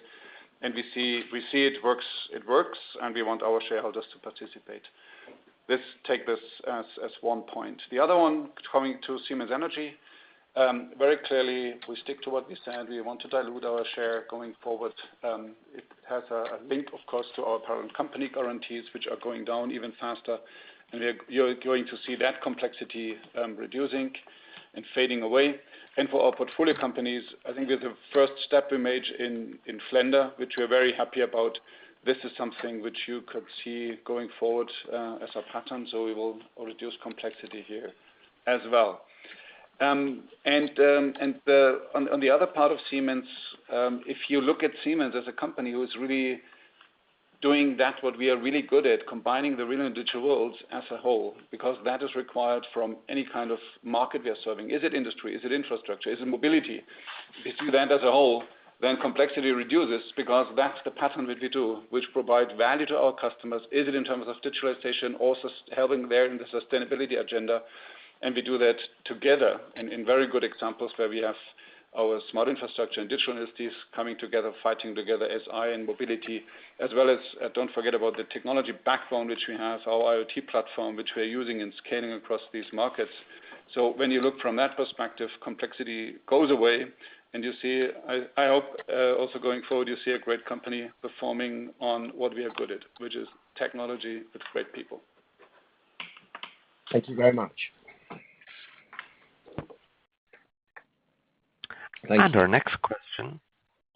We see it works, and we want our shareholders to participate. Let's take this as one point. The other one, coming to Siemens Energy, very clearly we stick to what we said. We want to dilute our share going forward. It has a link, of course, to our parent company guarantees, which are going down even faster. You're going to see that complexity reducing and fading away. For our portfolio companies, I think with the first step we made in Flender, which we are very happy about, this is something which you could see going forward as a pattern. We will reduce complexity here as well. On the other part of Siemens, if you look at Siemens as a company who is really doing that what we are really good at, combining the real and digital worlds as a whole, because that is required from any kind of market we are serving. Is it industry? Is it infrastructure? Is it mobility? If you see that as a whole, then complexity reduces because that's the pattern which we do, which provide value to our customers. Is it in terms of digitalization, also helping there in the sustainability agenda? We do that together in very good examples where we have our Smart Infrastructure and Digital Industries coming together, fighting together, SI and mobility, as well as don't forget about the technology background which we have, our IoT platform, which we are using and scaling across these markets. When you look from that perspective, complexity goes away, and I hope also going forward, you see a great company performing on what we are good at, which is technology with great people. Thank you very much. Our next question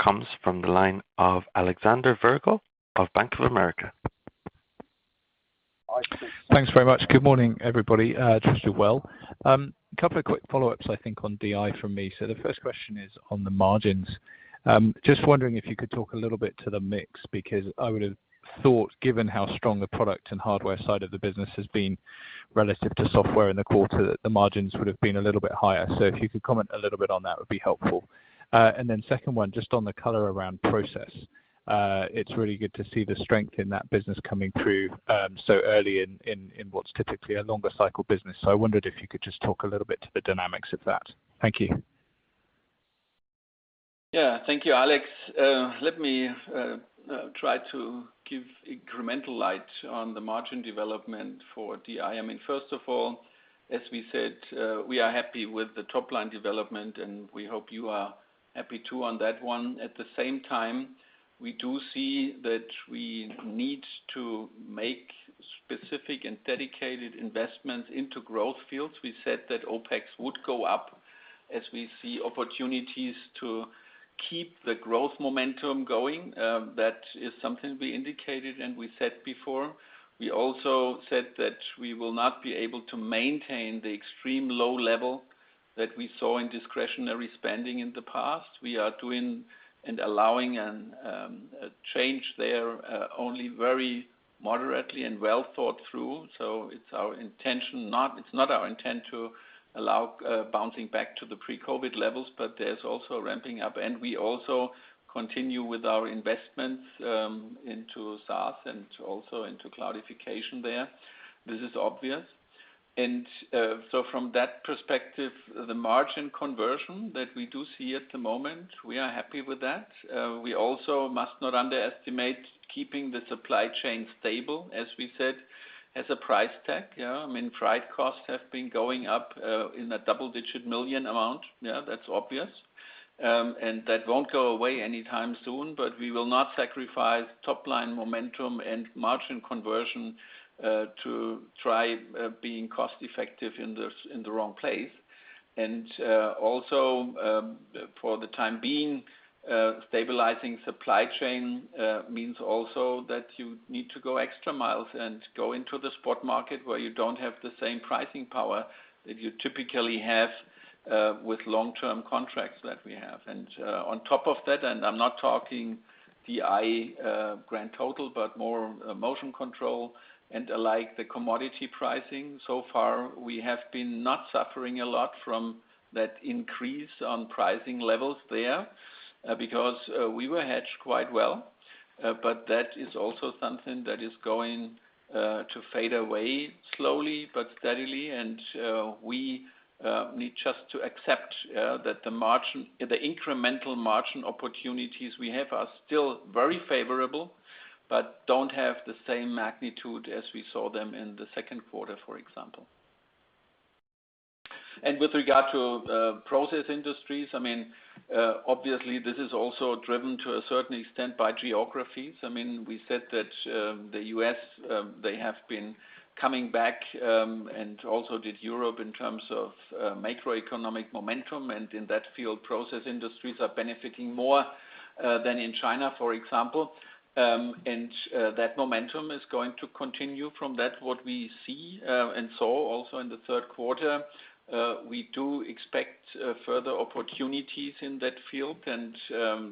comes from the line of Alexander Virgo of Bank of America. Thanks very much. Good morning, everybody. Just do well. Couple of quick follow-ups, I think, on DI from me. The first question is on the margins. Just wondering if you could talk a little bit to the mix, because I would have thought given how strong the product and hardware side of the business has been relative to software in the quarter, that the margins would have been a little bit higher. If you could comment a little bit on that would be helpful. Second one, just on the color around process. It's really good to see the strength in that business coming through so early in what's typically a longer cycle business. I wondered if you could just talk a little bit to the dynamics of that. Thank you. Yeah. Thank you, Alex. Let me try to give incremental light on the margin development for DI. First of all, as we said, we are happy with the top-line development, and we hope you are happy too on that one. At the same time, we do see that we need to make specific and dedicated investments into growth fields. We said that OpEx would go up as we see opportunities to keep the growth momentum going. That is something we indicated and we said before. We also said that we will not be able to maintain the extreme low level that we saw in discretionary spending in the past. We are doing and allowing a change there only very moderately and well thought through. It's not our intent to allow bouncing back to the pre-COVID levels, there's also ramping up, we also continue with our investments into SaaS and also into cloudification there. This is obvious. From that perspective, the margin conversion that we do see at the moment, we are happy with that. We also must not underestimate keeping the supply chain stable, as we said, as a price tag. I mean, freight costs have been going up in a double-digit million amount. Yeah, that's obvious. That won't go away anytime soon, we will not sacrifice top-line momentum and margin conversion to try being cost-effective in the wrong place. Also, for the time being, stabilizing supply chain means also that you need to go extra miles and go into the spot market where you don't have the same pricing power that you typically have with long-term contracts that we have. On top of that, I'm not talking DI grand total, but more Motion Control and alike, the commodity pricing. So far, we have been not suffering a lot from that increase on pricing levels there, because we were hedged quite well. That is also something that is going to fade away slowly but steadily. We need just to accept that the incremental margin opportunities we have are still very favorable, but don't have the same magnitude as we saw them in the second quarter, for example. With regard to process industries, obviously, this is also driven to a certain extent by geographies. We said that the U.S., they have been coming back, and also did Europe in terms of macroeconomic momentum. In that field, process industries are benefiting more than in China, for example. That momentum is going to continue from that what we see and saw also in the third quarter. We do expect further opportunities in that field.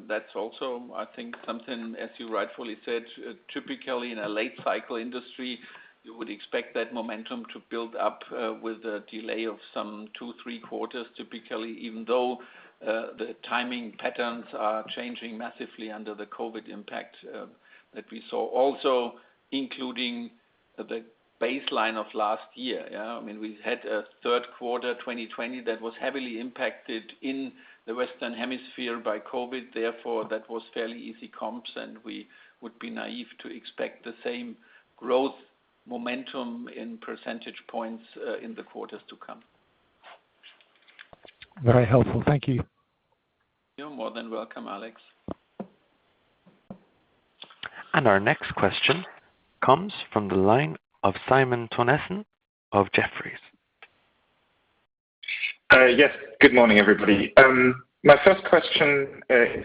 That's also, I think, something, as you rightfully said, typically in a late cycle industry, you would expect that momentum to build up with a delay of some two, three quarters, typically, even though the timing patterns are changing massively under the COVID impact that we saw, also including the baseline of last year. I mean, we had a third quarter 2020 that was heavily impacted in the Western Hemisphere by COVID, therefore that was fairly easy comps, and we would be naive to expect the same growth momentum in percentage points in the quarters to come. Very helpful. Thank you. You're more than welcome, Alex. Our next question comes from the line of Simon Toennessen of Jefferies. Yes. Good morning, everybody. My first question is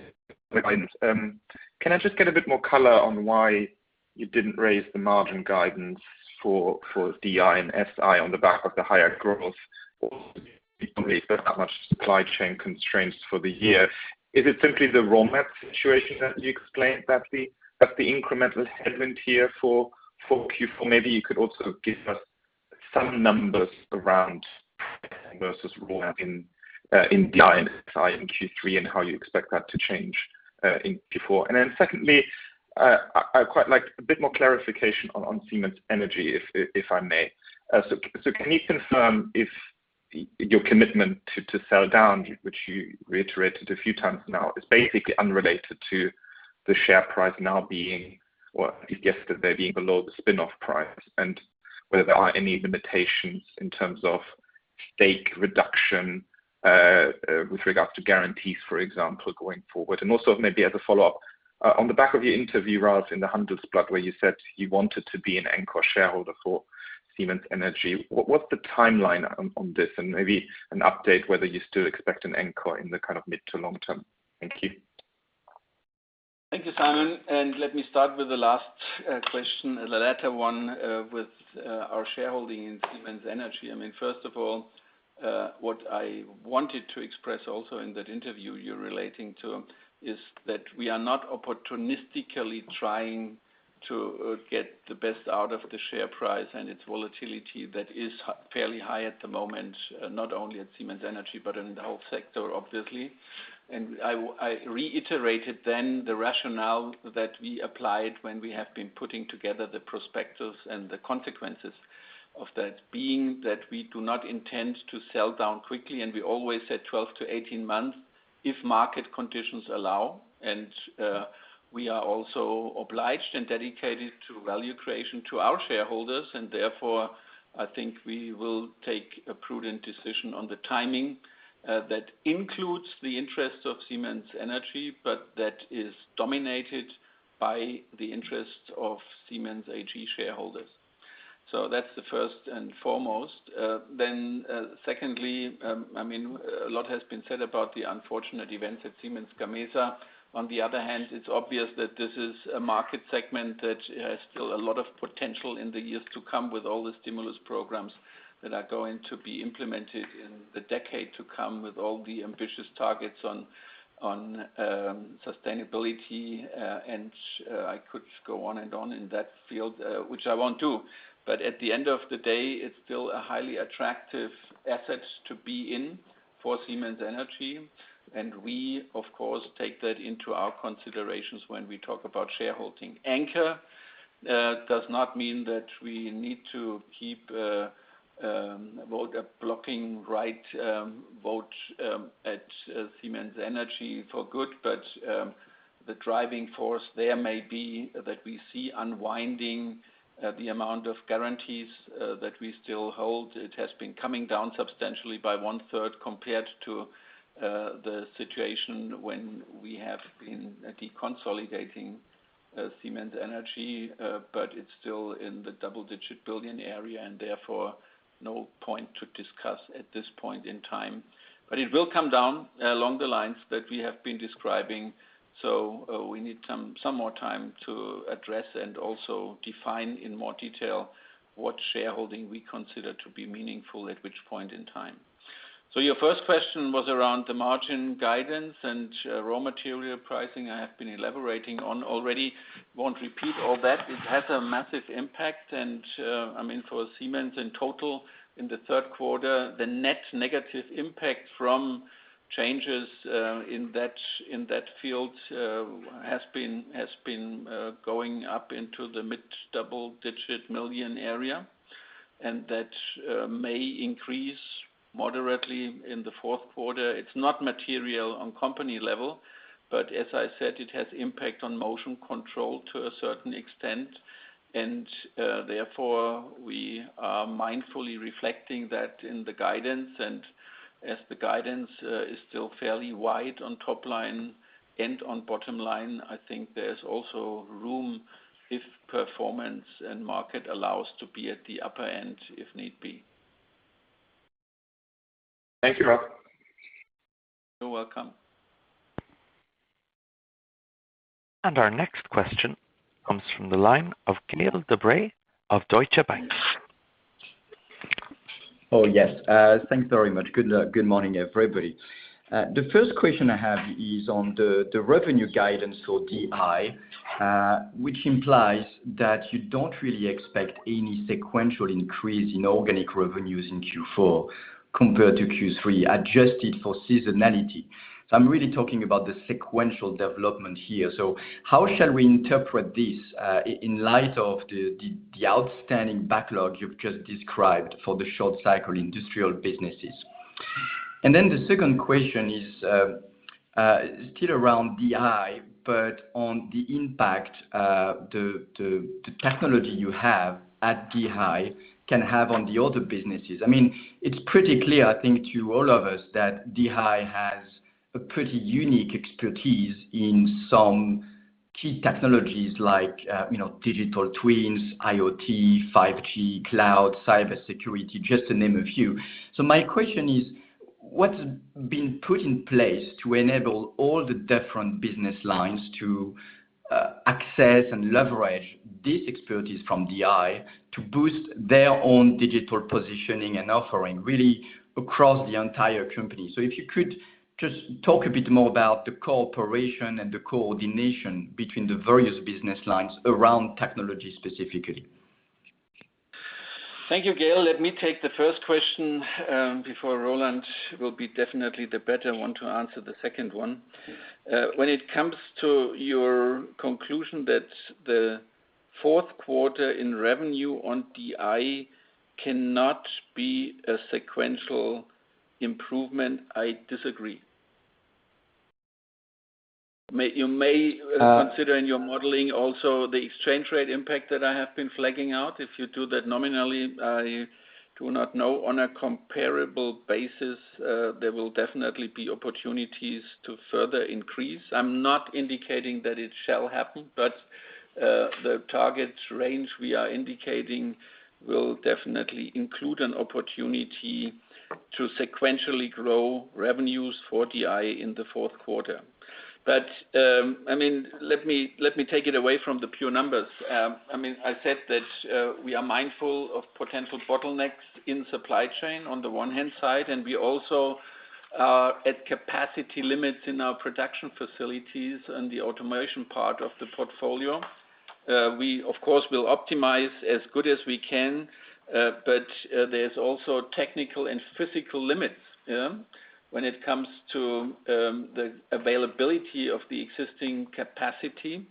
can I just get a bit more color on why you didn't raise the margin guidance for DI and SI on the back of the higher growth? That much supply chain constraints for the year. Is it simply the raw material situation that you explained that the incremental headwind here for Q4? Maybe you could also give us some numbers around versus raw material in DI and SI in Q3, and how you expect that to change in Q4. Secondly, I quite like a bit more clarification on Siemens Energy, if I may. Can you confirm if your commitment to sell down, which you reiterated a few times now, is basically unrelated to the share price now being, or I guess yesterday being below the spin-off price? Whether there are any limitations in terms of stake reduction with regards to guarantees, for example, going forward? Also maybe as a follow-up, on the back of your interview, Ralf, in the Handelsblatt, where you said you wanted to be an anchor shareholder for Siemens Energy, what's the timeline on this? Maybe an update whether you still expect an anchor in the kind of mid to long term? Thank you. Thank you, Simon. Let me start with the last question, the latter one with our shareholding in Siemens Energy. First of all, what I wanted to express also in that interview you're relating to is that we are not opportunistically trying to get the best out of the share price and its volatility that is fairly high at the moment, not only at Siemens Energy, but in the whole sector, obviously. I reiterated then the rationale that we applied when we have been putting together the prospectives and the consequences of that, being that we do not intend to sell down quickly, and we always said 12 to 18 months if market conditions allow. We are also obliged and dedicated to value creation to our shareholders, therefore, I think we will take a prudent decision on the timing that includes the interests of Siemens Energy, but that is dominated by the interests of Siemens AG shareholders. That's the first and foremost. Secondly, a lot has been said about the unfortunate events at Siemens Gamesa. On the other hand, it's obvious that this is a market segment that has still a lot of potential in the years to come with all the stimulus programs that are going to be implemented in the decade to come, with all the ambitious targets on sustainability. I could go on and on in that field, which I won't do. At the end of the day, it's still a highly attractive asset to be in for Siemens Energy. We, of course, take that into our considerations when we talk about shareholding. Anchor does not mean that we need to keep a blocking right vote at Siemens Energy for good. The driving force there may be that we see unwinding the amount of guarantees that we still hold. It has been coming down substantially by one third compared to the situation when we have been deconsolidating Siemens Energy. It's still in the double-digit billion area, and therefore, no point to discuss at this point in time. It will come down along the lines that we have been describing. We need some more time to address and also define in more detail what shareholding we consider to be meaningful at which point in time. Your first question was around the margin guidance and raw material pricing I have been elaborating on already. Won't repeat all that. It has a massive impact. For Siemens in total, in the third quarter, the net negative impact from changes in that field has been going up into the EUR mid-double-digit million area. That may increase moderately in the fourth quarter. It's not material on company level, but as I said, it has impact on Motion Control to a certain extent, and therefore, we are mindfully reflecting that in the guidance. As the guidance is still fairly wide on top line and on bottom line, I think there is also room if performance and market allows to be at the upper end if need be. Thank you, Ralf. You're welcome. Our next question comes from the line of Gael de-Bray of Deutsche Bank. Oh, yes. Thanks very much. Good luck. Good morning, everybody. The first question I have is on the revenue guidance for DI, which implies that you don't really expect any sequential increase in organic revenues in Q4 compared to Q3, adjusted for seasonality. I'm really talking about the sequential development here. How shall we interpret this in light of the outstanding backlog you've just described for the short cycle industrial businesses? The second question is still around DI, but on the impact the technology you have at DI can have on the other businesses. It's pretty clear, I think, to all of us that DI has a pretty unique expertise in some key technologies like digital twins, IoT, 5G, cloud, cybersecurity, just to name a few. My question is, what's been put in place to enable all the different business lines to access and leverage this expertise from DI to boost their own digital positioning and offering really across the entire company. If you could just talk a bit more about the cooperation and the coordination between the various business lines around technology specifically. Thank you, Gael. Let me take the first question before Roland will be definitely the better one to answer the second one. When it comes to your conclusion that the fourth quarter in revenue on DI cannot be a sequential improvement, I disagree. You may consider in your modeling also the exchange rate impact that I have been flagging out. If you do that nominally, I do not know. On a comparable basis, there will definitely be opportunities to further increase. I'm not indicating that it shall happen, but the target range we are indicating will definitely include an opportunity to sequentially grow revenues for DI in the fourth quarter. Let me take it away from the pure numbers. I said that we are mindful of potential bottlenecks in supply chain on the one hand side, and we also are at capacity limits in our production facilities and the automation part of the portfolio. We, of course, will optimize as good as we can, but there's also technical and physical limits when it comes to the availability of the existing capacity.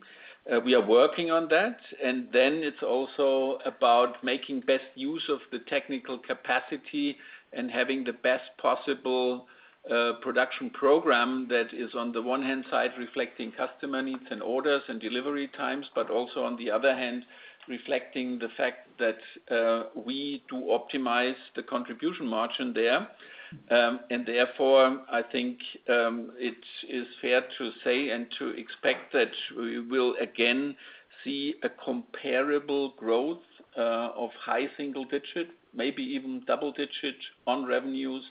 We are working on that. It's also about making best use of the technical capacity and having the best possible production program that is on the one hand side, reflecting customer needs and orders and delivery times, but also on the other hand, reflecting the fact that we do optimize the contribution margin there. Therefore, I think it is fair to say and to expect that we will again see a comparable growth of high single digit, maybe even double digit, on revenues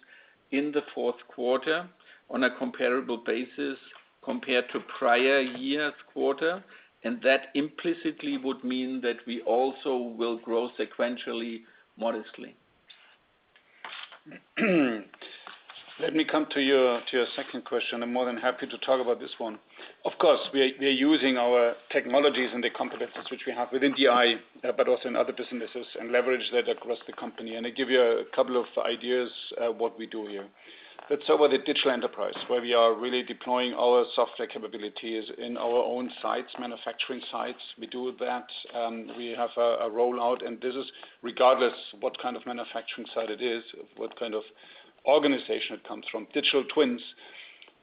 in the fourth quarter on a comparable basis compared to prior year's quarter. That implicitly would mean that we also will grow sequentially modestly. Let me come to your second question. I'm more than happy to talk about this one. Of course, we are using our technologies and the competencies which we have within DI, but also in other businesses, and leverage that across the company. I give you a couple of ideas what we do here. Let's start with the digital enterprise, where we are really deploying our software capabilities in our own sites, manufacturing sites. We do that. We have a rollout, and this is regardless what kind of manufacturing site it is, what kind of organization it comes from. Digital twins,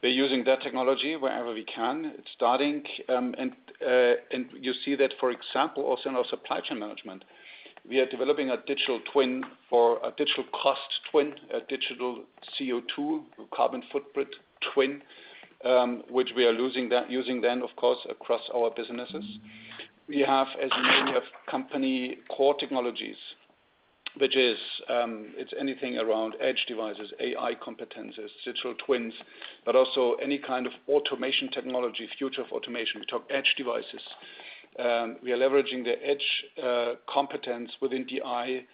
we're using that technology wherever we can. It's starting, and you see that, for example, also in our supply chain management. We are developing a digital twin for a digital cost twin, a digital CO2 carbon footprint twin, which we are using then, of course, across our businesses. We have, as many have, company core technologies, which is anything around edge devices, AI competencies, digital twins, but also any kind of automation technology, future of automation. We talk edge devices. We are leveraging the edge competence within DI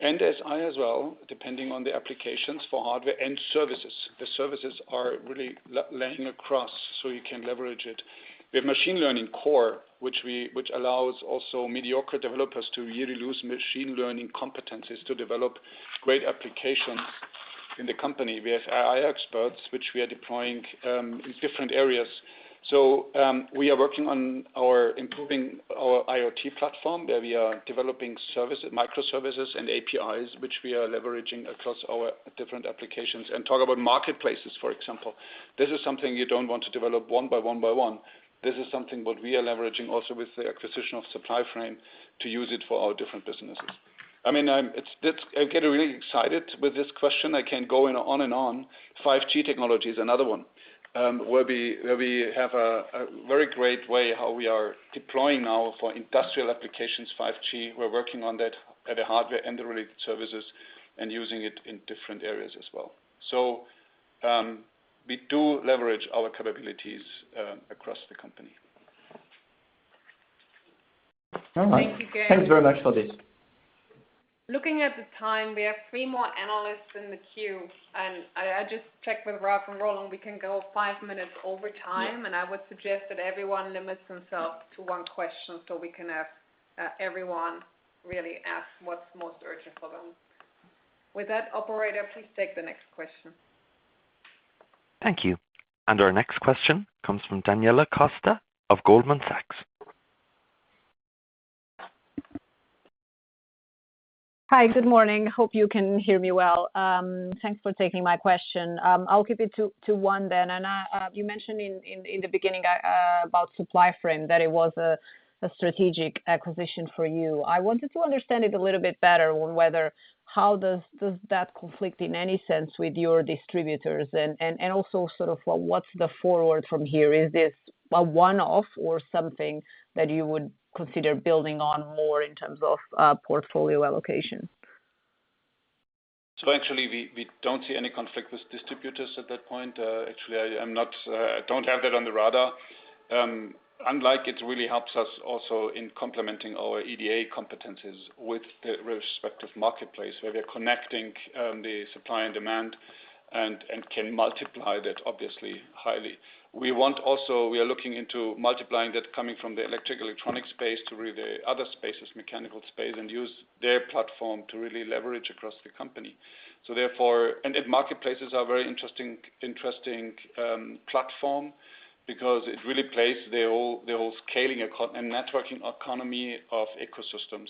and SI as well, depending on the applications for hardware and services. The services are really laying across, so you can leverage it. We have machine learning core, which allows also mediocre developers to really use machine learning competencies to develop great applications in the company. We have AI experts, which we are deploying in different areas. We are working on improving our IoT platform, where we are developing microservices and APIs, which we are leveraging across our different applications. Talk about marketplaces, for example. This is something you don't want to develop one by one by one. This is something what we are leveraging also with the acquisition of Supplyframe to use it for our different businesses. I get really excited with this question. I can go on and on. 5G technology is another one, where we have a very great way how we are deploying now for industrial applications 5G. We're working on that at the hardware and the related services and using it in different areas as well. We do leverage our capabilities across the company. Thank you, Gael de-Bray. Thanks very much for this. Looking at the time, we have three more analysts in the queue, and I just checked with Ralf and Roland. We can go five minutes over time. I would suggest that everyone limits themselves to one question so we can have everyone really ask what's most urgent for them. With that, operator, please take the next question. Thank you. Our next question comes from Daniela Costa of Goldman Sachs. Hi. Good morning. Hope you can hear me well. Thanks for taking my question. I'll keep it to one then. You mentioned in the beginning about Supplyframe, that it was a strategic acquisition for you. I wanted to understand it a little bit better on whether how does that conflict, in any sense, with your distributors and also sort of what's the forward from here? Is this a one-off or something that you would consider building on more in terms of portfolio allocation? Actually, we don't see any conflict with distributors at that point. Actually, I don't have that on the radar. Unlike it really helps us also in complementing our EDA competencies with the respective marketplace where we are connecting the supply and demand and can multiply that obviously highly. We are looking into multiplying that coming from the electric electronic space to really other spaces, mechanical space, and use their platform to really leverage across the company. Marketplaces are very interesting platform because it really plays the whole scaling and networking economy of ecosystems.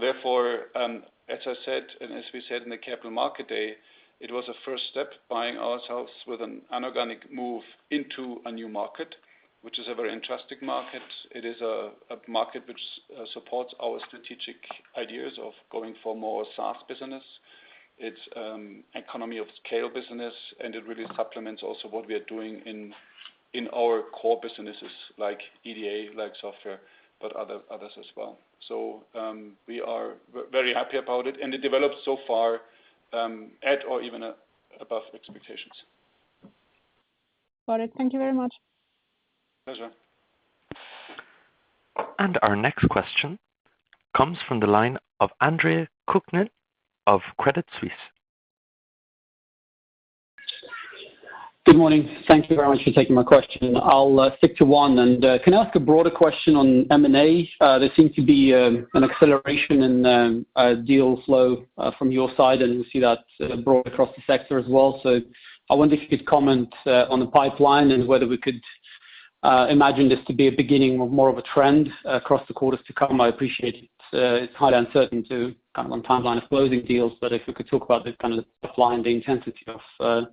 Therefore, as I said, and as we said in the Capital Market Day, it was a first step buying ourselves with an inorganic move into a new market, which is a very interesting market. It is a market which supports our strategic ideas of going for more SaaS business. It's economy of scale business, and it really supplements also what we are doing in our core businesses like EDA, like software, but others as well. We are very happy about it, and it developed so far at or even above expectations. Got it. Thank you very much. Pleasure. Our next question comes from the line of Andre Kukhnin of Credit Suisse. Good morning. Thank you very much for taking my question. I'll stick to one. Can I ask a broader question on M&A? There seems to be an acceleration in deal flow from your side, and we see that broad across the sector as well. I wonder if you could comment on the pipeline and whether we could imagine this to be a beginning of more of a trend across the quarters to come. I appreciate it's highly uncertain to kind of on timeline of closing deals, if we could talk about the kind of pipeline, the intensity of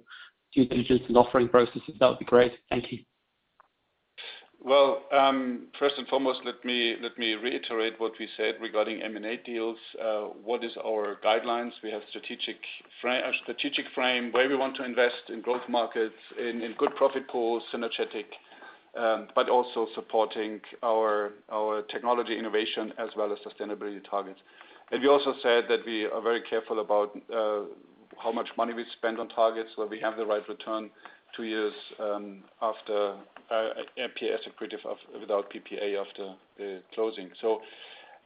due diligence and offering processes, that would be great. Thank you. Well, first and foremost, let me reiterate what we said regarding M&A deals. What is our guidelines? We have a strategic frame where we want to invest in growth markets, in good profit pools, synergetic, but also supporting our technology innovation as well as sustainability targets. We also said that we are very careful about how much money we spend on targets, where we have the right return two years after NPS accretive without PPA after closing.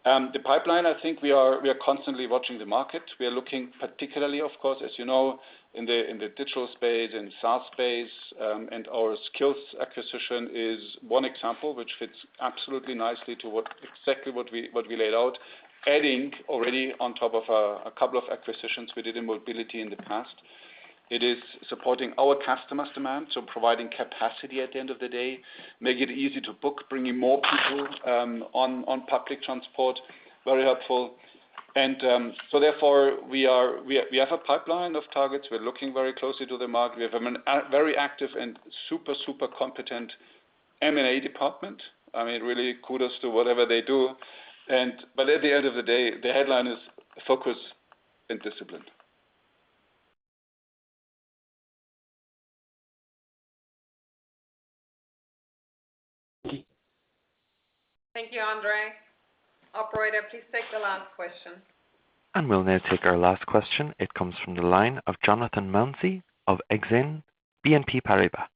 The pipeline, I think we are constantly watching the market. We are looking particularly, of course, as you know, in the digital space, in SaaS space, and our Sqills acquisition is one example which fits absolutely nicely to exactly what we laid out, adding already on top of a couple of acquisitions we did in Mobility in the past. It is supporting our customer's demand, providing capacity at the end of the day, make it easy to book, bringing more people on public transport, very helpful. Therefore, we have a pipeline of targets. We are looking very closely to the market. We have a very active and super competent M&A department. Really kudos to whatever they do. At the end of the day, the headline is focus and discipline. Thank you, Andre. Operator, please take the last question. We'll now take our last question. It comes from the line of Jonathan Mounsey of Exane BNP Paribas.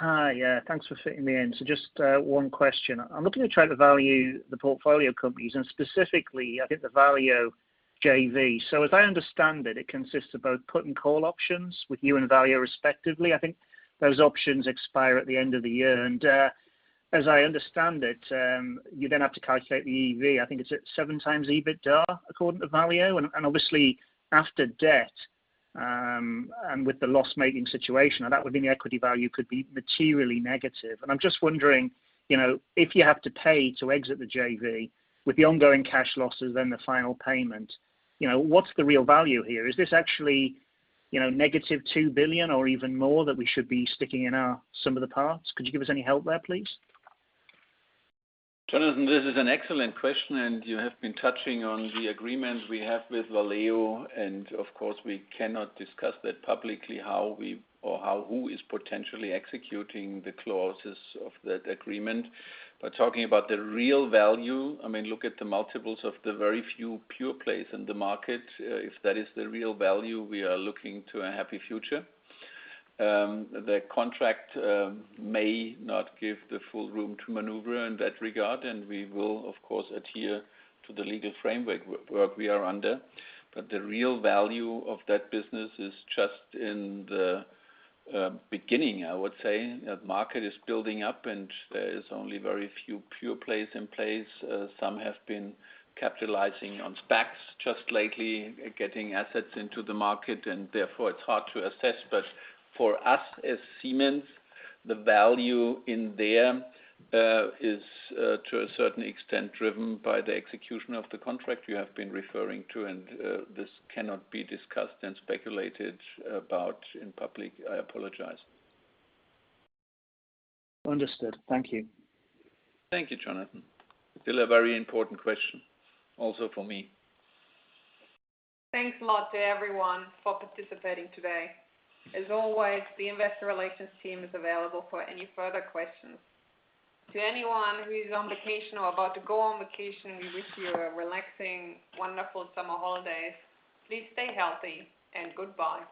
Hi. Thanks for fitting me in. Just one question. I'm looking to try to value the portfolio companies, and specifically, I think the Valeo JV. As I understand it consists of both put and call options with you and Valeo respectively. I think those options expire at the end of the year. As I understand it, you then have to calculate the EV. I think it's at 7x EBITDA according to Valeo, and obviously after debt, and with the loss-making situation, now that would mean the equity value could be materially negative. I'm just wondering if you have to pay to exit the JV with the ongoing cash losses, then the final payment, what's the real value here? Is this actually negative 2 billion or even more that we should be sticking in our sum of the parts? Could you give us any help there, please? Jonathan, this is an excellent question. You have been touching on the agreement we have with Valeo. Of course, we cannot discuss that publicly how we or who is potentially executing the clauses of that agreement. Talking about the real value, look at the multiples of the very few pure plays in the market. If that is the real value, we are looking to a happy future. The contract may not give the full room to maneuver in that regard. We will, of course, adhere to the legal framework where we are under. The real value of that business is just in the beginning, I would say. That market is building up. There is only very few pure plays in place. Some have been capitalizing on SPACs just lately, getting assets into the market. Therefore it's hard to assess. For us as Siemens, the value in there is to a certain extent driven by the execution of the contract you have been referring to, and this cannot be discussed and speculated about in public. I apologize. Understood. Thank you. Thank you, Jonathan. Still a very important question also for me. Thanks a lot to everyone for participating today. As always, the investor relations team is available for any further questions. To anyone who is on vacation or about to go on vacation, we wish you a relaxing, wonderful summer holidays. Please stay healthy and goodbye.